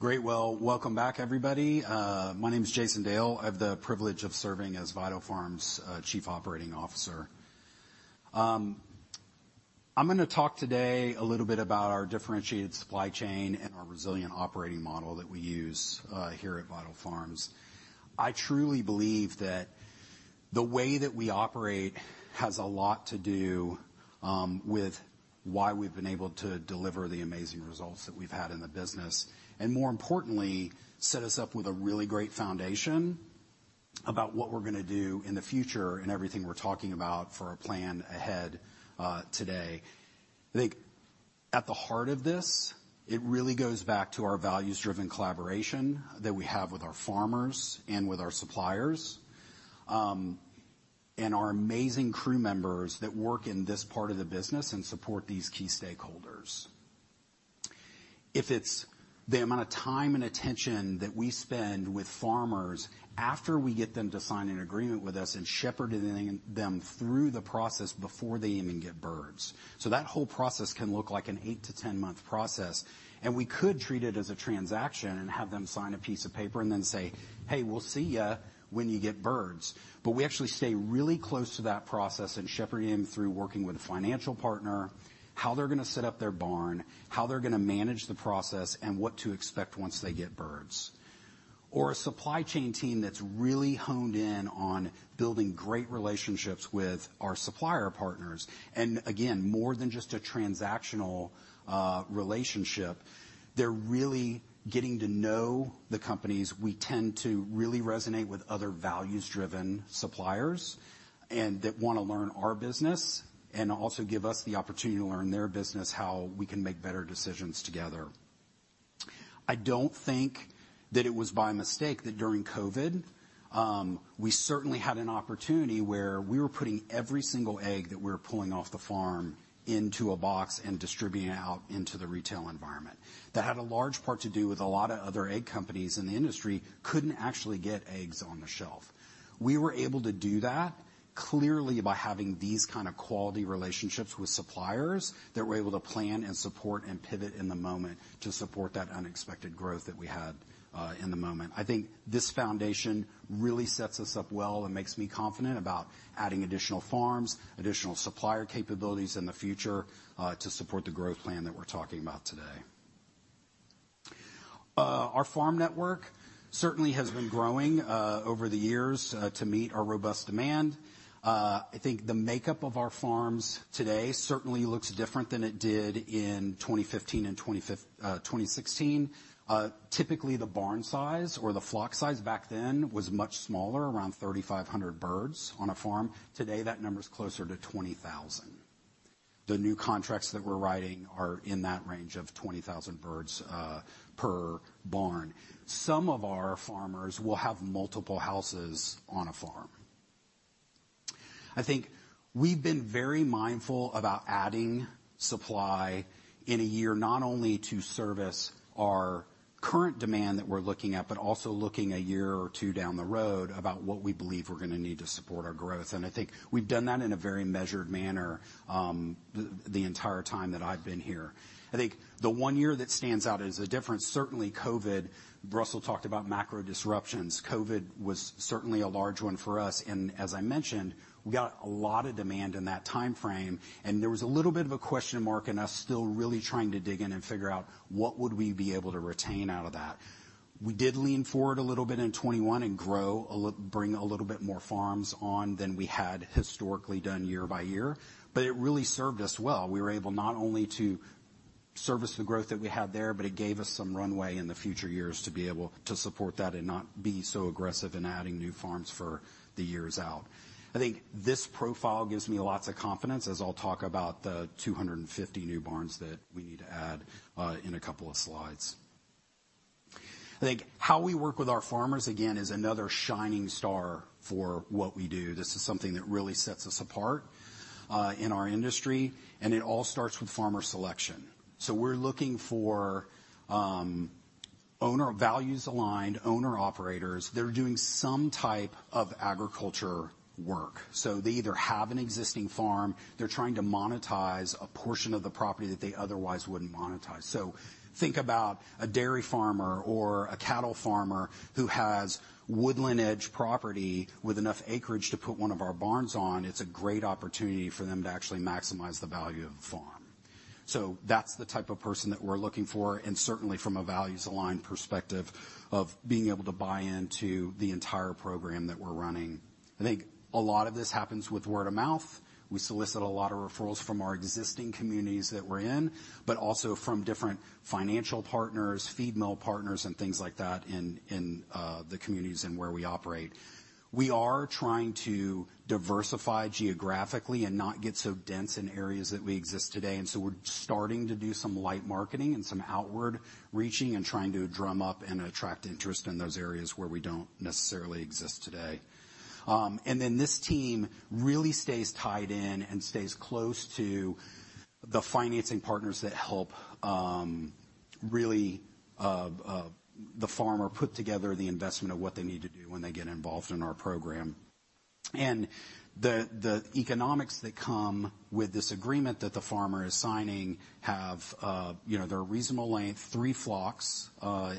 Great! Well, welcome back, everybody. My name is Jason Dale. I have the privilege of serving as Vital Farms' Chief Operating Officer. I'm gonna talk today a little bit about our differentiated supply chain and our resilient operating model that we use here at Vital Farms. I truly believe that the way that we operate has a lot to do with why we've been able to deliver the amazing results that we've had in the business, and more importantly, set us up with a really great foundation about what we're gonna do in the future and everything we're talking about for our plan ahead today. I think at the heart of this, it really goes back to our values-driven collaboration that we have with our farmers and with our suppliers, and our amazing crew members that work in this part of the business and support these key stakeholders. If it's the amount of time and attention that we spend with farmers after we get them to sign an agreement with us and shepherding them through the process before they even get birds. So that whole process can look like an 8- to 10-month process, and we could treat it as a transaction and have them sign a piece of paper and then say, "Hey, we'll see you when you get birds." But we actually stay really close to that process and shepherd them through working with a financial partner, how they're gonna set up their barn, how they're gonna manage the process, and what to expect once they get birds. Or a supply chain team that's really honed in on building great relationships with our supplier partners, and again, more than just a transactional relationship. They're really getting to know the companies. We tend to really resonate with other values-driven suppliers, and that wanna learn our business, and also give us the opportunity to learn their business, how we can make better decisions together. I don't think that it was by mistake that during COVID, we certainly had an opportunity where we were putting every single egg that we were pulling off the farm into a box and distributing it out into the retail environment. That had a large part to do with a lot of other egg companies in the industry couldn't actually get eggs on the shelf. We were able to do that clearly by having these kind of quality relationships with suppliers, that we're able to plan and support and pivot in the moment to support that unexpected growth that we had in the moment. I think this foundation really sets us up well and makes me confident about adding additional farms, additional supplier capabilities in the future, to support the growth plan that we're talking about today. Our farm network certainly has been growing over the years to meet our robust demand. I think the makeup of our farms today certainly looks different than it did in 2015 and 2016. Typically, the barn size or the flock size back then was much smaller, around 3,500 birds on a farm. Today, that number is closer to 20,000. The new contracts that we're writing are in that range of 20,000 birds per barn. Some of our farmers will have multiple houses on a farm. I think we've been very mindful about adding supply in a year, not only to service our current demand that we're looking at, but also looking a year or two down the road about what we believe we're gonna need to support our growth. I think we've done that in a very measured manner, the entire time that I've been here. I think the one year that stands out as a difference, certainly COVID. Russell talked about macro disruptions. COVID was certainly a large one for us, and as I mentioned, we got a lot of demand in that timeframe, and there was a little bit of a question mark, and us still really trying to dig in and figure out what would we be able to retain out of that. We did lean forward a little bit in 2021 and grow, bring a little bit more farms on than we had historically done year by year, but it really served us well. We were able not only to service the growth that we had there, but it gave us some runway in the future years to be able to support that and not be so aggressive in adding new farms for the years out. I think this profile gives me lots of confidence, as I'll talk about the 250 new barns that we need to add, in a couple of slides. I think how we work with our farmers, again, is another shining star for what we do. This is something that really sets us apart, in our industry, and it all starts with farmer selection. So we're looking for, owner values aligned, owner-operators. They're doing some type of agriculture work, so they either have an existing farm, they're trying to monetize a portion of the property that they otherwise wouldn't monetize. So think about a dairy farmer or a cattle farmer who has woodland edge property with enough acreage to put one of our barns on. It's a great opportunity for them to actually maximize the value of the farm. So that's the type of person that we're looking for, and certainly from a values-aligned perspective of being able to buy into the entire program that we're running. I think a lot of this happens with word of mouth. We solicit a lot of referrals from our existing communities that we're in, but also from different financial partners, feed mill partners, and things like that in the communities and where we operate. We are trying to diversify geographically and not get so dense in areas that we exist today, and we're starting to do some light marketing and some outward reaching and trying to drum up and attract interest in those areas where we don't necessarily exist today. This team really stays tied in and stays close to the financing partners that help really the farmer put together the investment of what they need to do when they get involved in our program. The economics that come with this agreement that the farmer is signing have, you know, they're reasonable length. Three flocks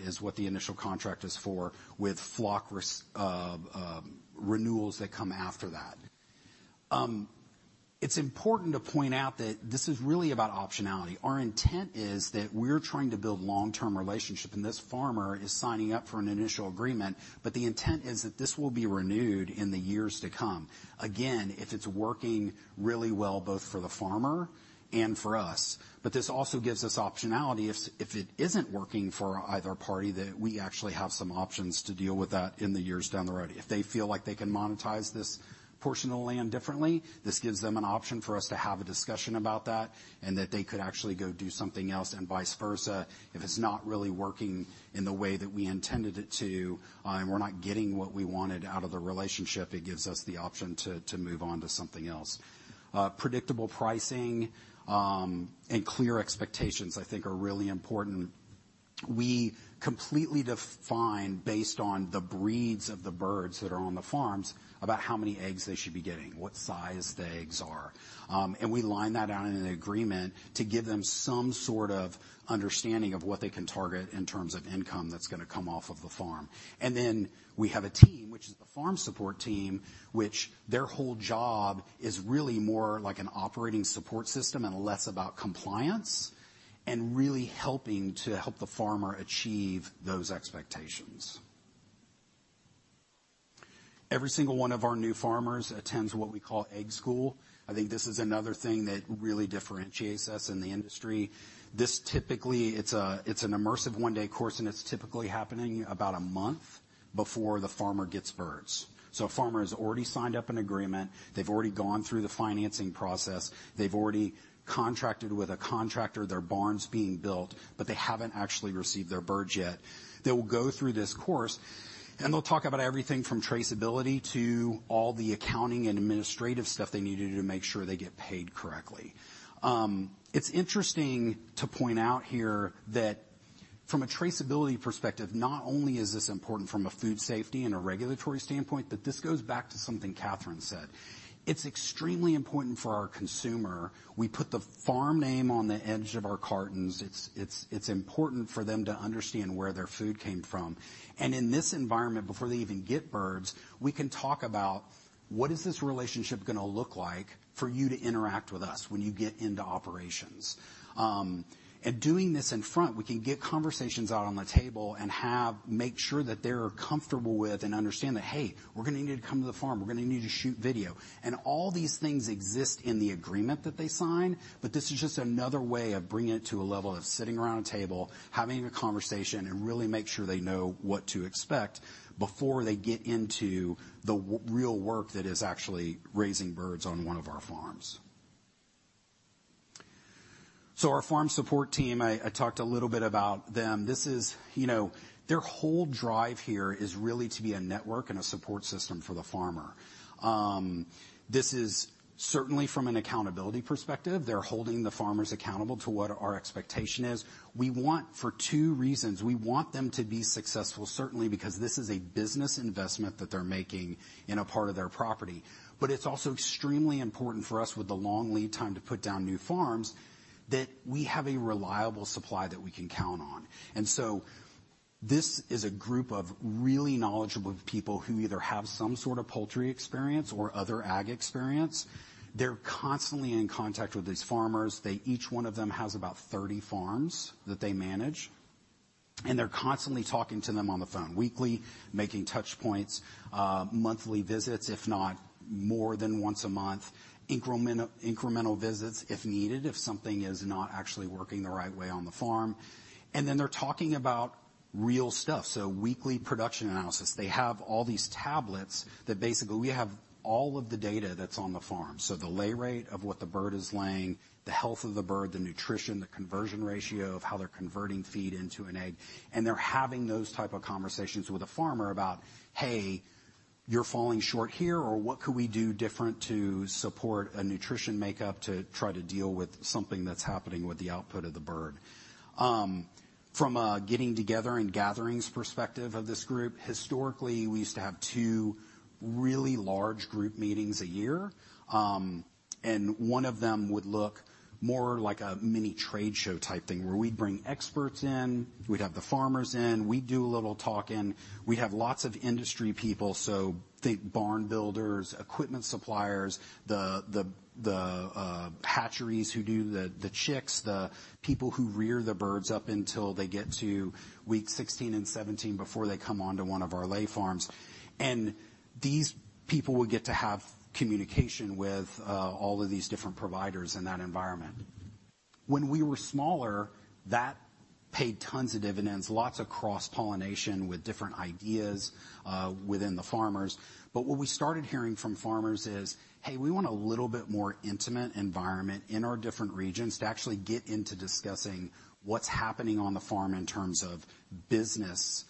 is what the initial contract is for, with flock res, renewals that come after that. It's important to point out that this is really about optionality. Our intent is that we're trying to build long-term relationship, and this farmer is signing up for an initial agreement, but the intent is that this will be renewed in the years to come. Again, if it's working really well, both for the farmer and for us. But this also gives us optionality if it isn't working for either party, that we actually have some options to deal with that in the years down the road. If they feel like they can monetize this portion of the land differently, this gives them an option for us to have a discussion about that, and that they could actually go do something else and vice versa. If it's not really working in the way that we intended it to, and we're not getting what we wanted out of the relationship, it gives us the option to move on to something else. Predictable pricing and clear expectations, I think are really important. We completely define, based on the breeds of the birds that are on the farms, about how many eggs they should be getting, what size the eggs are. And we line that out in an agreement to give them some sort of understanding of what they can target in terms of income that's gonna come off of the farm. And then we have a team, which is the farm support team, which their whole job is really more like an operating support system and less about compliance, and really helping the farmer achieve those expectations. Every single one of our new farmers attends what we call Egg School. I think this is another thing that really differentiates us in the industry. This typically is an immersive one-day course, and it's typically happening about a month before the farmer gets birds. So a farmer has already signed an agreement. They've already gone through the financing process. They've already contracted with a contractor, their barn's being built, but they haven't actually received their birds yet. They will go through this course, and they'll talk about everything from traceability to all the accounting and administrative stuff they need to do to make sure they get paid correctly. It's interesting to point out here that from a traceability perspective, not only is this important from a food safety and a regulatory standpoint, but this goes back to something Kathryn said. It's extremely important for our consumer. We put the farm name on the edge of our cartons. It's, it's, it's important for them to understand where their food came from. In this environment, before they even get birds, we can talk about what is this relationship gonna look like for you to interact with us when you get into operations? Doing this in front, we can get conversations out on the table and make sure that they're comfortable with and understand that, "Hey, we're gonna need to come to the farm. We're gonna need to shoot video." And all these things exist in the agreement that they sign, but this is just another way of bringing it to a level of sitting around a table, having a conversation, and really make sure they know what to expect before they get into the real work that is actually raising birds on one of our farms. So our farm support team, I talked a little bit about them. This is... You know, their whole drive here is really to be a network and a support system for the farmer. This is certainly from an accountability perspective, they're holding the farmers accountable to what our expectation is. We want for two reasons, we want them to be successful, certainly because this is a business investment that they're making in a part of their property, but it's also extremely important for us, with the long lead time to put down new farms, that we have a reliable supply that we can count on. And so this is a group of really knowledgeable people who either have some sort of poultry experience or other ag experience. They're constantly in contact with these farmers. They. Each one of them has about 30 farms that they manage, and they're constantly talking to them on the phone, weekly, making touch points, monthly visits, if not more than once a month, incremental visits if needed, if something is not actually working the right way on the farm. And then they're talking about real stuff, so weekly production analysis. They have all these tablets that basically, we have all of the data that's on the farm, so the lay rate of what the bird is laying, the health of the bird, the nutrition, the conversion ratio of how they're converting feed into an egg, and they're having those type of conversations with a farmer about, "Hey, you're falling short here," or, "What could we do different to support a nutrition makeup to try to deal with something that's happening with the output of the bird?" From a getting together and gatherings perspective of this group, historically, we used to have two really large group meetings a year, and one of them would look more like a mini trade show type thing, where we'd bring experts in, we'd have the farmers in, we'd do a little talking. We'd have lots of industry people, so think barn builders, equipment suppliers, the hatcheries who do the chicks, the people who rear the birds up until they get to week 16 and 17 before they come on to one of our lay farms. And these people would get to have communication with all of these different providers in that environment. When we were smaller, that paid tons of dividends, lots of cross-pollination with different ideas within the farmers. But what we started hearing from farmers is, "Hey, we want a little bit more intimate environment in our different regions to actually get into discussing what's happening on the farm in terms of business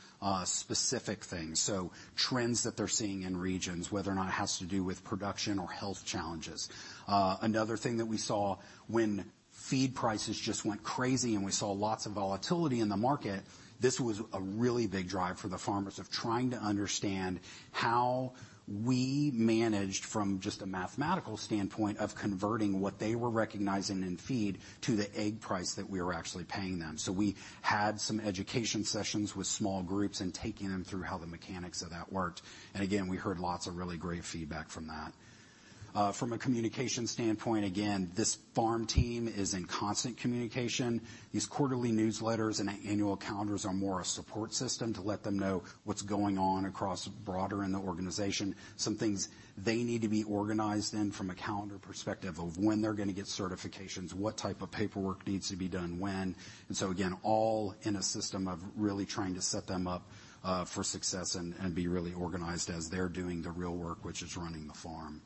specific things." So trends that they're seeing in regions, whether or not it has to do with production or health challenges. Another thing that we saw when feed prices just went crazy and we saw lots of volatility in the market, this was a really big drive for the farmers of trying to understand how we managed, from just a mathematical standpoint, of converting what they were recognizing in feed to the egg price that we were actually paying them. So we had some education sessions with small groups and taking them through how the mechanics of that worked. And again, we heard lots of really great feedback from that. From a communication standpoint, again, this farm team is in constant communication. These quarterly newsletters and annual calendars are more a support system to let them know what's going on across broader in the organization. Some things they need to be organized in from a calendar perspective of when they're gonna get certifications, what type of paperwork needs to be done when. And so again, all in a system of really trying to set them up for success and be really organized as they're doing the real work, which is running the farm.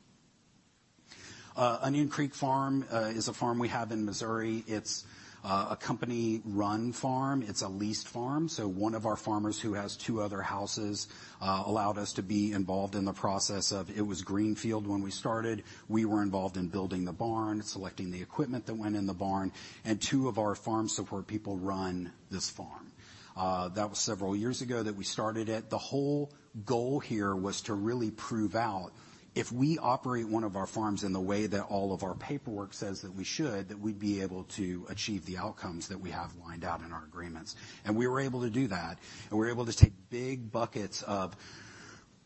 Onion Creek Farm is a farm we have in Missouri. It's a company-run farm. It's a leased farm, so one of our farmers, who has two other houses, allowed us to be involved in the process of... It was greenfield when we started. We were involved in building the barn, selecting the equipment that went in the barn, and two of our farm support people run this farm. That was several years ago that we started it. The whole goal here was to really prove out if we operate one of our farms in the way that all of our paperwork says that we should, that we'd be able to achieve the outcomes that we have lined out in our agreements. And we were able to do that, and we were able to take big buckets of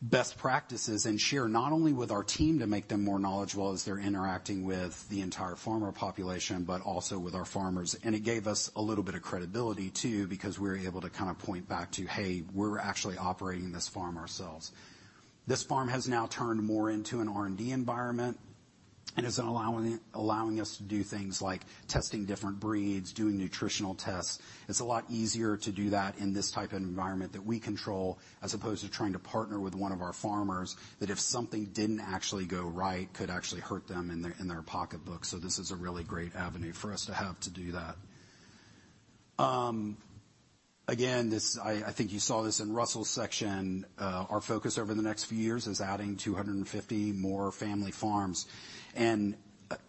best practices and share not only with our team to make them more knowledgeable as they're interacting with the entire farmer population, but also with our farmers. And it gave us a little bit of credibility, too, because we were able to kind of point back to, "Hey, we're actually operating this farm ourselves." This farm has now turned more into an R&D environment... and it's allowing us to do things like testing different breeds, doing nutritional tests. It's a lot easier to do that in this type of environment that we control, as opposed to trying to partner with one of our farmers, that if something didn't actually go right, could actually hurt them in their pocketbook. This is a really great avenue for us to have to do that. I think you saw this in Russell's section, our focus over the next few years is adding 250 more family farms.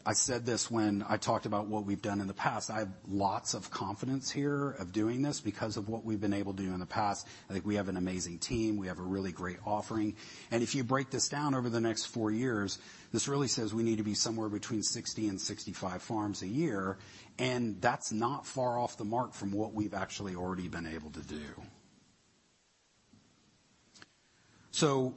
I said this when I talked about what we've done in the past, I have lots of confidence here of doing this because of what we've been able to do in the past. I think we have an amazing team. We have a really great offering, and if you break this down over the next four years, this really says we need to be somewhere between 60 and 65 farms a year, and that's not far off the mark from what we've actually already been able to do. So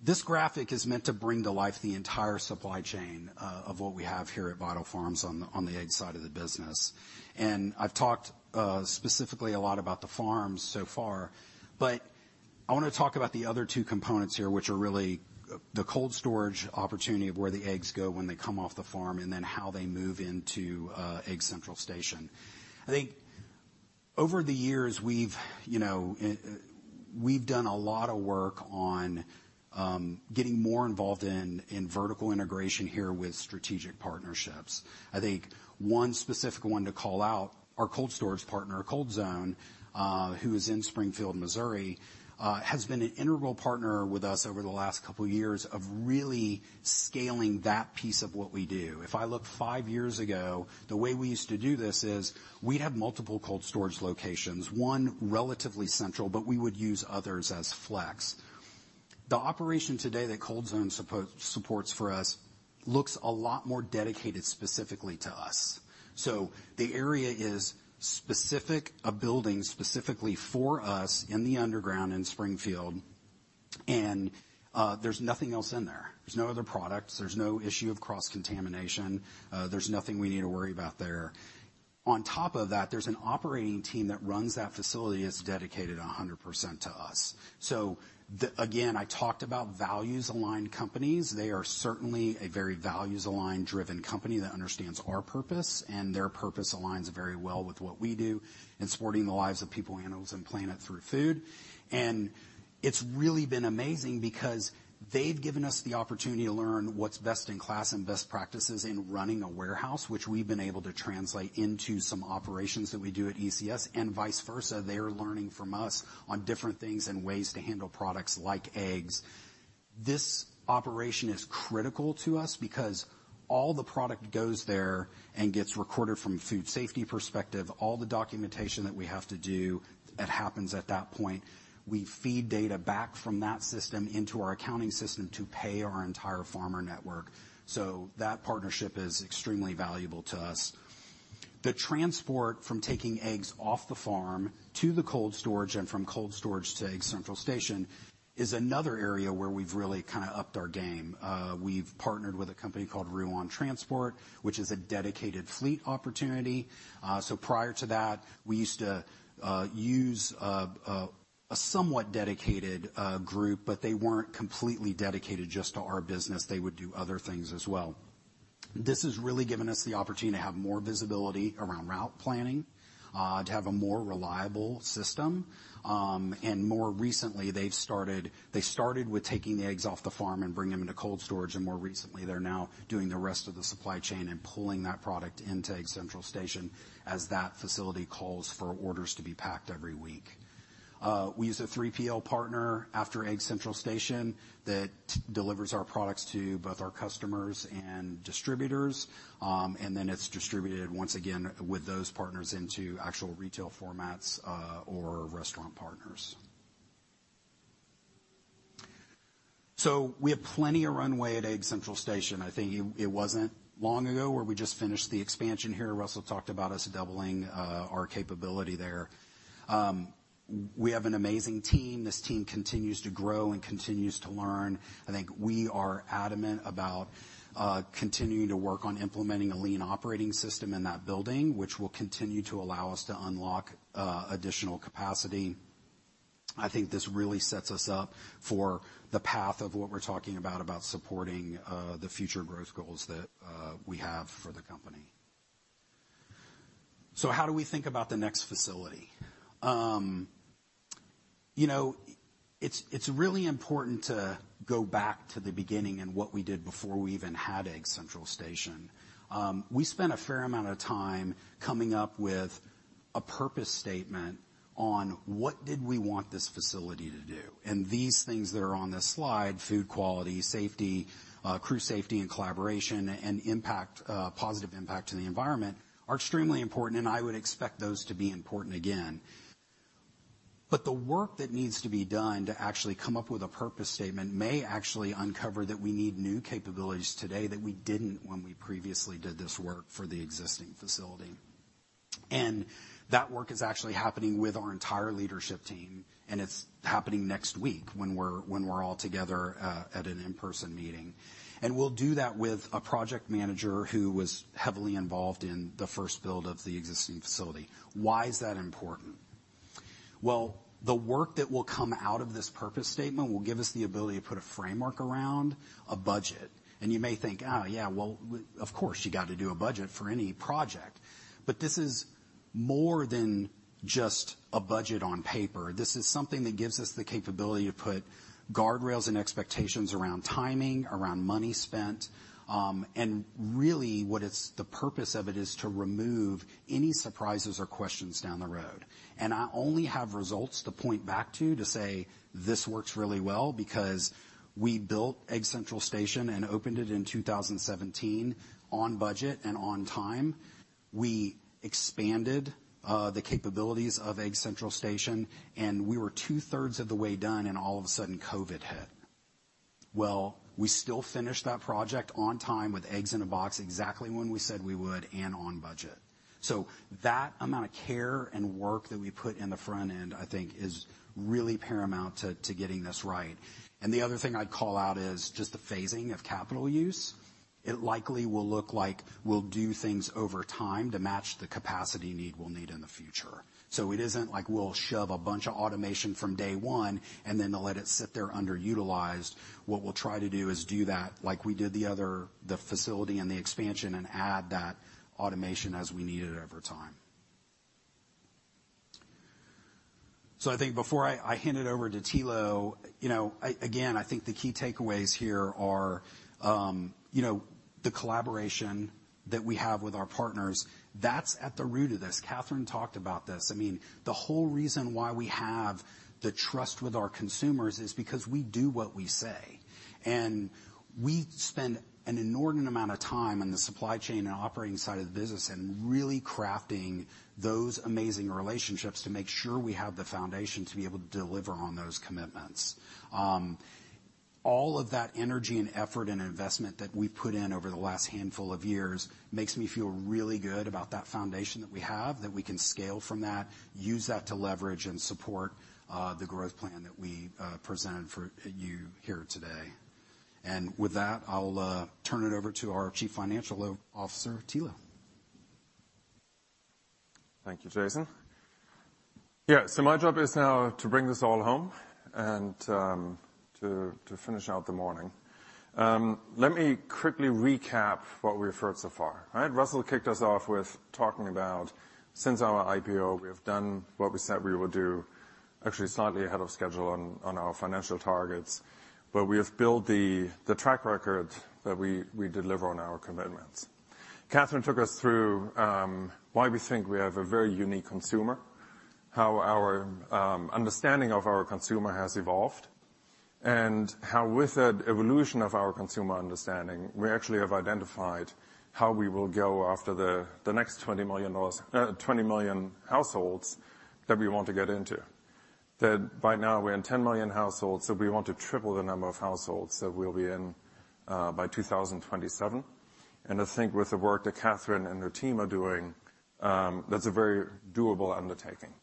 this graphic is meant to bring to life the entire supply chain of what we have here at Vital Farms on the, on the egg side of the business. I've talked specifically a lot about the farms so far, but I wanna talk about the other two components here, which are really the cold storage opportunity of where the eggs go when they come off the farm, and then how they move into Egg Central Station. I think over the years, we've, you know, we've done a lot of work on getting more involved in vertical integration here with strategic partnerships. I think one specific one to call out, our cold storage partner, Cold Zone, who is in Springfield, Missouri, has been an integral partner with us over the last couple of years of really scaling that piece of what we do. If I look five years ago, the way we used to do this is, we'd have multiple cold storage locations, one relatively central, but we would use others as flex. The operation today that Cold Zone supports for us looks a lot more dedicated specifically to us. The area is specific, a building specifically for us in the underground in Springfield, and there's nothing else in there. There's no other products. There's no issue of cross-contamination. There's nothing we need to worry about there. On top of that, there's an operating team that runs that facility, that's dedicated 100% to us. Again, I talked about values-aligned companies. They are certainly a very values-aligned, driven company that understands our purpose, and their purpose aligns very well with what we do in supporting the lives of people, animals, and planet through food. And it's really been amazing because they've given us the opportunity to learn what's best-in-class and best practices in running a warehouse, which we've been able to translate into some operations that we do at ECS, and vice versa. They are learning from us on different things and ways to handle products like eggs. This operation is critical to us because all the product goes there and gets recorded from a food safety perspective. All the documentation that we have to do, it happens at that point. We feed data back from that system into our accounting system to pay our entire farmer network. So that partnership is extremely valuable to us. The transport from taking eggs off the farm to the cold storage and from cold storage to Egg Central Station is another area where we've really kinda upped our game. We've partnered with a company called Ruan Transport, which is a dedicated fleet opportunity. So prior to that, we used to use a somewhat dedicated group, but they weren't completely dedicated just to our business. They would do other things as well. This has really given us the opportunity to have more visibility around route planning, to have a more reliable system, and more recently, they started with taking the eggs off the farm and bringing them into cold storage, and more recently, they're now doing the rest of the supply chain and pulling that product into Egg Central Station as that facility calls for orders to be packed every week. We use a 3PL partner after Egg Central Station that delivers our products to both our customers and distributors, and then it's distributed once again with those partners into actual retail formats, or restaurant partners. So we have plenty of runway at Egg Central Station. I think it wasn't long ago where we just finished the expansion here. Russell talked about us doubling our capability there. We have an amazing team. This team continues to grow and continues to learn. I think we are adamant about continuing to work on implementing a lean operating system in that building, which will continue to allow us to unlock additional capacity. I think this really sets us up for the path of what we're talking about, about supporting the future growth goals that we have for the company. So how do we think about the next facility? You know, it's really important to go back to the beginning and what we did before we even had Egg Central Station. We spent a fair amount of time coming up with a purpose statement on what did we want this facility to do? These things that are on this slide, food quality, safety, crew safety and collaboration, and impact, positive impact to the environment, are extremely important, and I would expect those to be important again. But the work that needs to be done to actually come up with a purpose statement may actually uncover that we need new capabilities today that we didn't when we previously did this work for the existing facility. And that work is actually happening with our entire leadership team, and it's happening next week when we're, when we're all together, at an in-person meeting. And we'll do that with a project manager who was heavily involved in the first build of the existing facility. Why is that important? Well, the work that will come out of this purpose statement will give us the ability to put a framework around a budget. You may think, "Oh, yeah, well, of course, you got to do a budget for any project." But this is more than just a budget on paper. This is something that gives us the capability to put guardrails and expectations around timing, around money spent, and really, the purpose of it is to remove any surprises or questions down the road. And I only have results to point back to, to say this works really well, because we built Egg Central Station and opened it in 2017 on budget and on time. We expanded the capabilities of Egg Central Station, and we were two-thirds of the way done, and all of a sudden, COVID hit. Well, we still finished that project on time with eggs in a box, exactly when we said we would, and on budget. So that amount of care and work that we put in the front end, I think, is really paramount to getting this right. And the other thing I'd call out is just the phasing of capital use. It likely will look like we'll do things over time to match the capacity need we'll need in the future. So it isn't like we'll shove a bunch of automation from day one, and then they'll let it sit there underutilized. What we'll try to do is do that like we did the other, the facility and the expansion, and add that automation as we need it over time. So I think before I hand it over to Thilo, you know, again, I think the key takeaways here are, you know, the collaboration that we have with our partners. That's at the root of this. Kathryn talked about this. I mean, the whole reason why we have the trust with our consumers is because we do what we say. We spend an inordinate amount of time on the supply chain and operating side of the business, and really crafting those amazing relationships to make sure we have the foundation to be able to deliver on those commitments. All of that energy and effort and investment that we've put in over the last handful of years makes me feel really good about that foundation that we have, that we can scale from that, use that to leverage and support the growth plan that we presented for you here today. With that, I'll turn it over to our Chief Financial Officer, Thilo. Thank you, Jason. Yeah, so my job is now to bring this all home and to finish out the morning. Let me quickly recap what we've heard so far, right? Russell kicked us off with talking about, since our IPO, we have done what we said we would do, actually slightly ahead of schedule on our financial targets, but we have built the track record that we deliver on our commitments. Kathryn took us through why we think we have a very unique consumer, how our understanding of our consumer has evolved, and how with that evolution of our consumer understanding, we actually have identified how we will go after the next 20 million households that we want to get into. That by now, we're in 10 million households, so we want to triple the number of households that we'll be in by 2027. And I think with the work that Kathryn and her team are doing, that's a very doable undertaking.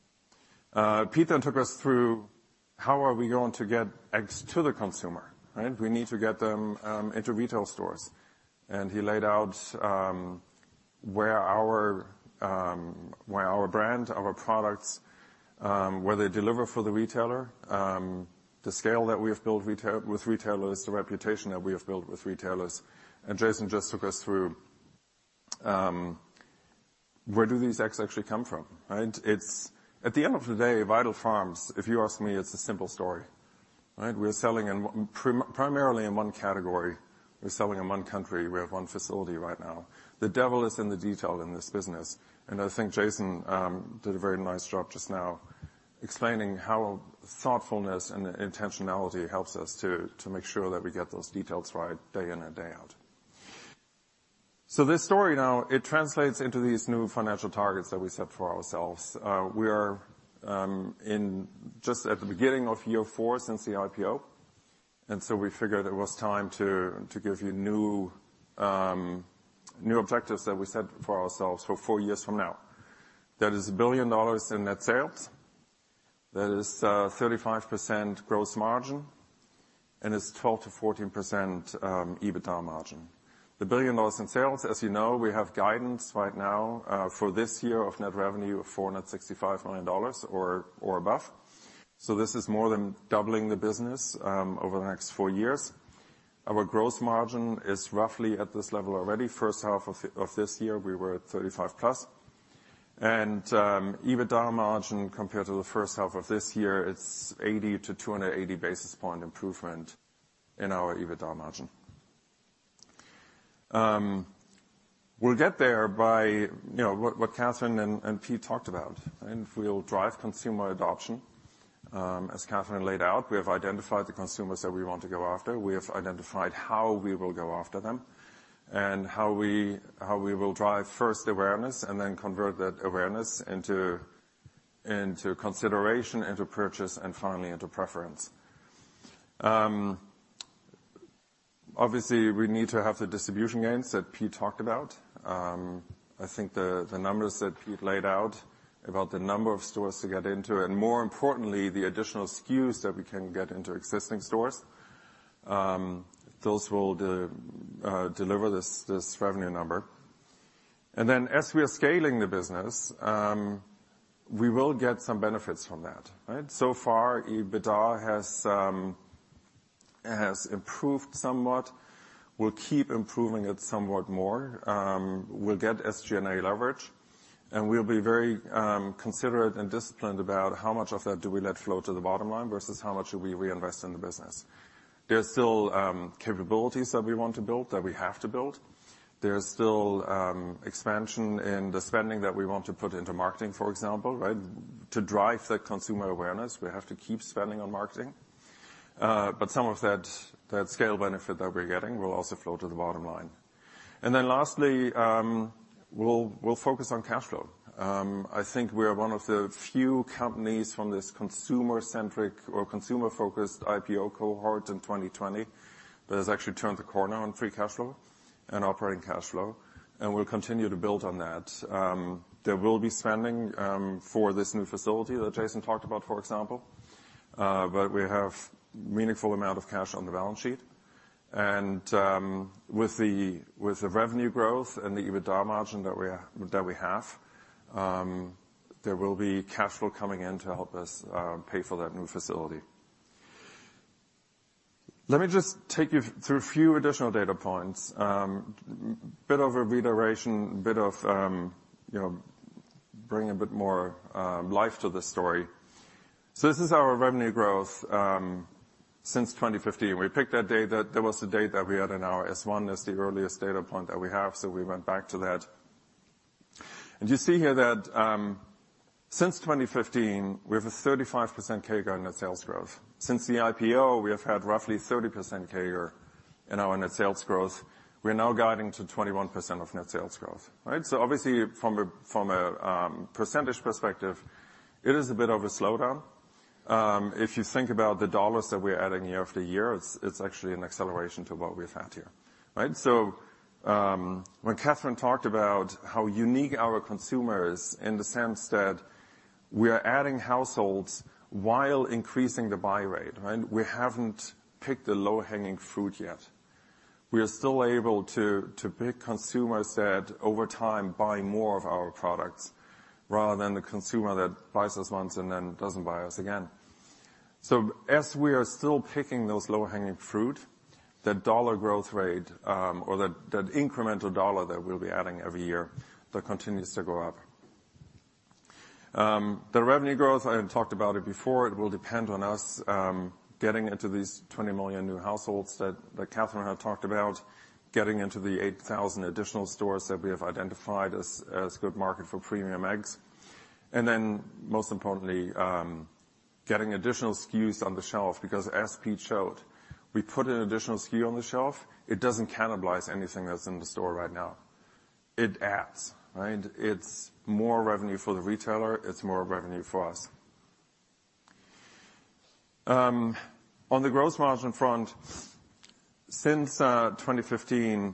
Pete then took us through how are we going to get eggs to the consumer, right? We need to get them into retail stores. And he laid out where our brand, our products, where they deliver for the retailer, the scale that we have built with retailers, the reputation that we have built with retailers, and Jason just took us through where do these eggs actually come from, right? It's. At the end of the day, Vital Farms, if you ask me, it's a simple story, right? We're selling primarily in one category. We're selling in one country. We have one facility right now. The devil is in the detail in this business, and I think Jason did a very nice job just now explaining how thoughtfulness and intentionality helps us to make sure that we get those details right day in and day out. So this story now, it translates into these new financial targets that we set for ourselves. We are in just at the beginning of year four since the IPO, and so we figured it was time to give you new objectives that we set for ourselves for four years from now. That is $1 billion in net sales, that is, 35% gross margin, and it's 12%-14% EBITDA margin. The billion dollars in sales, as you know, we have guidance right now for this year of net revenue of $465 million or above. This is more than doubling the business over the next four years. Our gross margin is roughly at this level already. H1 of this year, we were at 35% plus. EBITDA margin, compared to the H1 of this year, it's 80-280 basis point improvement in our EBITDA margin. We'll get there by, you know, what Kathryn and Peter talked about, and we'll drive consumer adoption. As Kathryn laid out, we have identified the consumers that we want to go after. We have identified how we will go after them, and how we will drive first awareness, and then convert that awareness into consideration, into purchase, and finally into preference. Obviously, we need to have the distribution gains that Pete talked about. I think the numbers that Peter laid out about the number of stores to get into, and more importantly, the additional SKUs that we can get into existing stores, those will deliver this revenue number. As we are scaling the business, we will get some benefits from that, right? So far, EBITDA has improved somewhat. We'll keep improving it somewhat more. We'll get SG&A leverage, and we'll be very considerate and disciplined about how much of that do we let flow to the bottom line versus how much do we reinvest in the business. There's still capabilities that we want to build, that we have to build. There's still expansion in the spending that we want to put into marketing, for example, right? To drive the consumer awareness, we have to keep spending on marketing. Some of that, that scale benefit that we're getting will also flow to the bottom line. Lastly, we'll focus on cash flow. I think we are one of the few companies from this consumer-centric or consumer-focused IPO cohort in 2020, that has actually turned the corner on free cash flow and operating cash flow, and we'll continue to build on that. There will be spending for this new facility that Jason talked about, for example, but we have meaningful amount of cash on the balance sheet. With the revenue growth and the EBITDA margin that we are—that we have, there will be cash flow coming in to help us pay for that new facility. Let me just take you through a few additional data points. Bit of a reiteration, bit of, you know, bring a bit more life to the story. This is our revenue growth since 2015. We picked that date, that was the date that we had in our S-1, as the earliest data point that we have, so we went back to that. You see here that since 2015, we have a 35% CAGR in net sales growth. Since the IPO, we have had roughly 30% CAGR in our net sales growth. We're now guiding to 21% of net sales growth, right? Obviously, from a percentage perspective, it is a bit of a slowdown. If you think about the dollars that we're adding year after year, it's actually an acceleration to what we've had here, right? When Kathryn talked about how unique our consumer is in the sense that we are adding households while increasing the buy rate, right? We haven't picked the low-hanging fruit yet. We are still able to pick consumers that, over time, buy more of our products, rather than the consumer that buys us once and then doesn't buy us again. As we are still picking those low-hanging fruit, the dollar growth rate, or that incremental dollar that we'll be adding every year, that continues to go up. The revenue growth, I had talked about it before, it will depend on us getting into these 20 million new households that Catherine had talked about, getting into the 8,000 additional stores that we have identified as good market for premium eggs. Most importantly, getting additional SKUs on the shelf, because as Pete showed, we put an additional SKU on the shelf, it doesn't cannibalize anything that's in the store right now. It adds, right? It's more revenue for the retailer, it's more revenue for us. On the gross margin front, since 2015,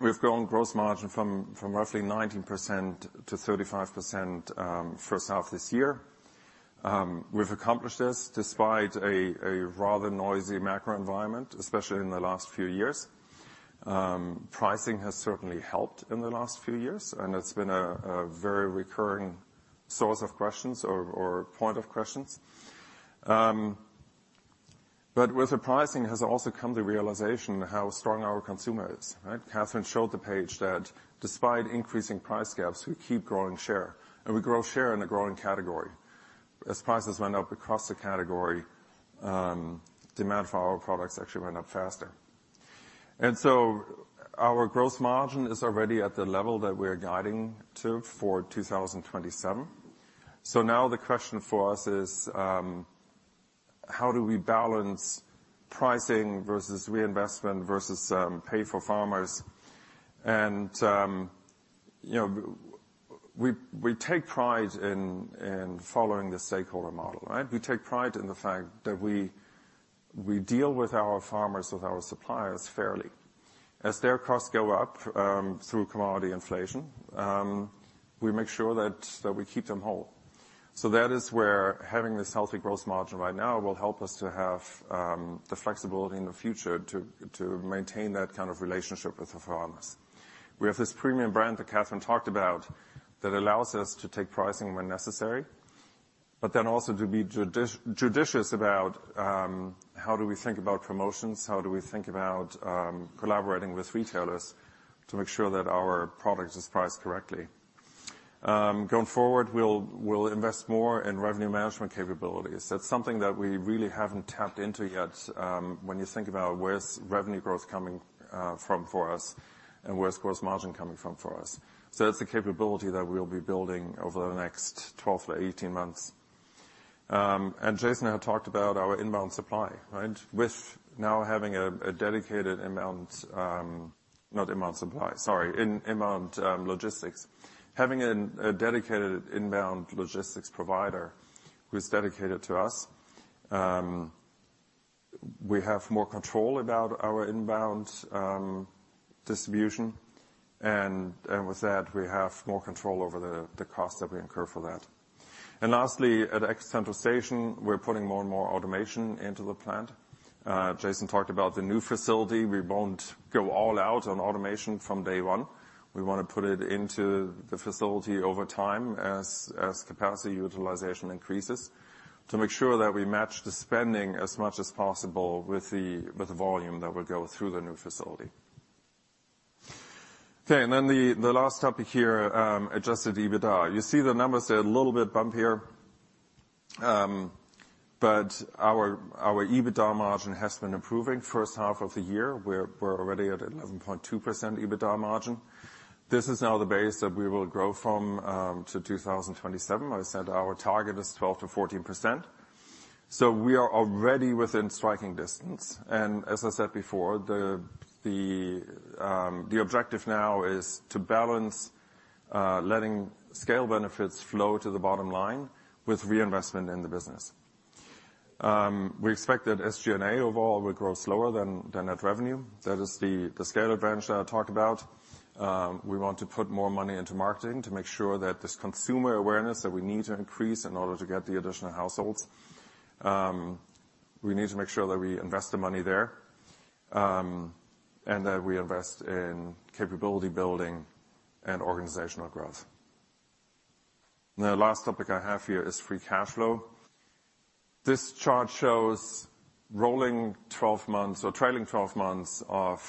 we've grown gross margin from roughly 19% to 35%, first half this year. We've accomplished this despite a rather noisy macro environment, especially in the last few years. Pricing has certainly helped in the last few years, and it's been a very recurring source of questions or point of questions. But with the pricing has also come the realization how strong our consumer is, right? Kathryn showed the page that despite increasing price gaps, we keep growing share, and we grow share in a growing category. As prices went up across the category, demand for our products actually went up faster. And so our gross margin is already at the level that we are guiding to for 2027. So now the question for us is, how do we balance pricing versus reinvestment versus pay for farmers? And, you know, we take pride in following the stakeholder model, right? We take pride in the fact that we deal with our farmers, with our suppliers fairly. As their costs go up through commodity inflation, we make sure that we keep them whole. So that is where having this healthy gross margin right now will help us to have the flexibility in the future to maintain that kind of relationship with the farmers. We have this premium brand that Kathryn talked about that allows us to take pricing when necessary, but then also to be judicious about how do we think about promotions, how do we think about collaborating with retailers to make sure that our product is priced correctly. Going forward, we'll invest more in revenue management capabilities. That's something that we really haven't tapped into yet, when you think about where's revenue growth coming from for us, and where's growth margin coming from for us. So that's the capability that we'll be building over the next 12-18 months. And Jason had talked about our inbound supply, right? With now having a dedicated inbound, not inbound supply, sorry, inbound logistics. Having a dedicated inbound logistics provider who's dedicated to us, we have more control about our inbound distribution, and with that, we have more control over the cost that we incur for that. And lastly, at Egg Central Station, we're putting more and more automation into the plant. Jason talked about the new facility. We won't go all out on automation from day one. We wanna put it into the facility over time as capacity utilization increases, to make sure that we match the spending as much as possible with the volume that will go through the new facility. Okay, and then the last topic here, adjusted EBITDA. You see the numbers, they're a little bit bumpier, but our EBITDA margin has been improving first half of the year. We're already at 11.2% EBITDA margin. This is now the base that we will grow from, to 2027. I said our target is 12%-14%, so we are already within striking distance. And as I said before, the objective now is to balance letting scale benefits flow to the bottom line with reinvestment in the business. We expect that SG&A overall will grow slower than net revenue. That is the scale advantage that I talked about. We want to put more money into marketing to make sure that this consumer awareness that we need to increase in order to get the additional households, we need to make sure that we invest the money there, and that we invest in capability building and organizational growth. And the last topic I have here is free cash flow. This chart shows rolling 12 months or trailing 12 months of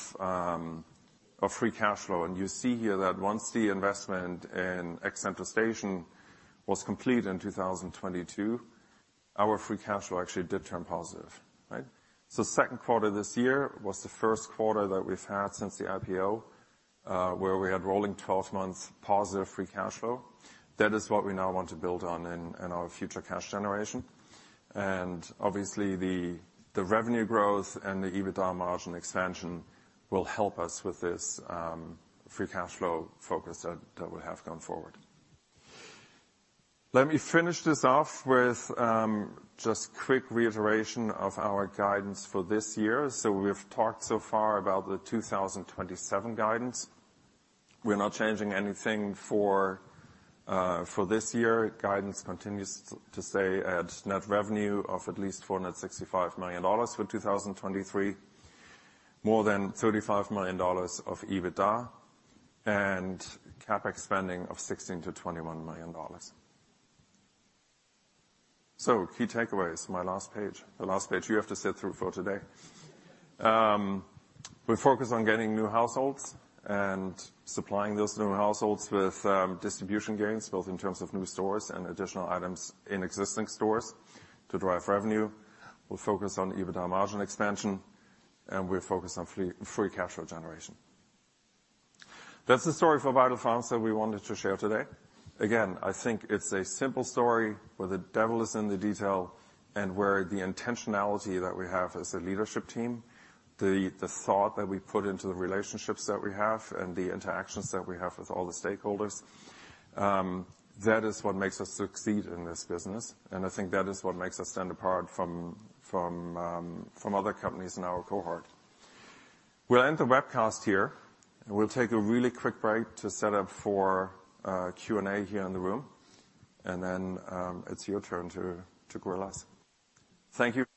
free cash flow, and you see here that once the investment in Egg Central Station was complete in 2022, our free cash flow actually did turn positive, right? So Q2 this year was the Q1 that we've had since the IPO, where we had rolling twelve months positive free cash flow. That is what we now want to build on in our future cash generation. And obviously, the revenue growth and the EBITDA margin expansion will help us with this, free cash flow focus that we have going forward. Let me finish this off with just quick reiteration of our guidance for this year. So we've talked so far about the 2027 guidance. We're not changing anything for this year. Guidance continues to stay at net revenue of at least $465 million for 2023, more than $35 million of EBITDA, and CapEx spending of $16 million-$21 million. So key takeaways, my last page. The last page you have to sit through for today. We're focused on getting new households and supplying those new households with distribution gains, both in terms of new stores and additional items in existing stores to drive revenue. We're focused on EBITDA margin expansion, and we're focused on free cash flow generation. That's the story for Vital Farms that we wanted to share today. Again, I think it's a simple story, where the devil is in the detail, and where the intentionality that we have as a leadership team, the thought that we put into the relationships that we have and the interactions that we have with all the stakeholders, that is what makes us succeed in this business. I think that is what makes us stand apart from other companies in our cohort. We'll end the webcast here, and we'll take a really quick break to set up for Q&A here in the room, and then it's your turn to grill us. Thank you.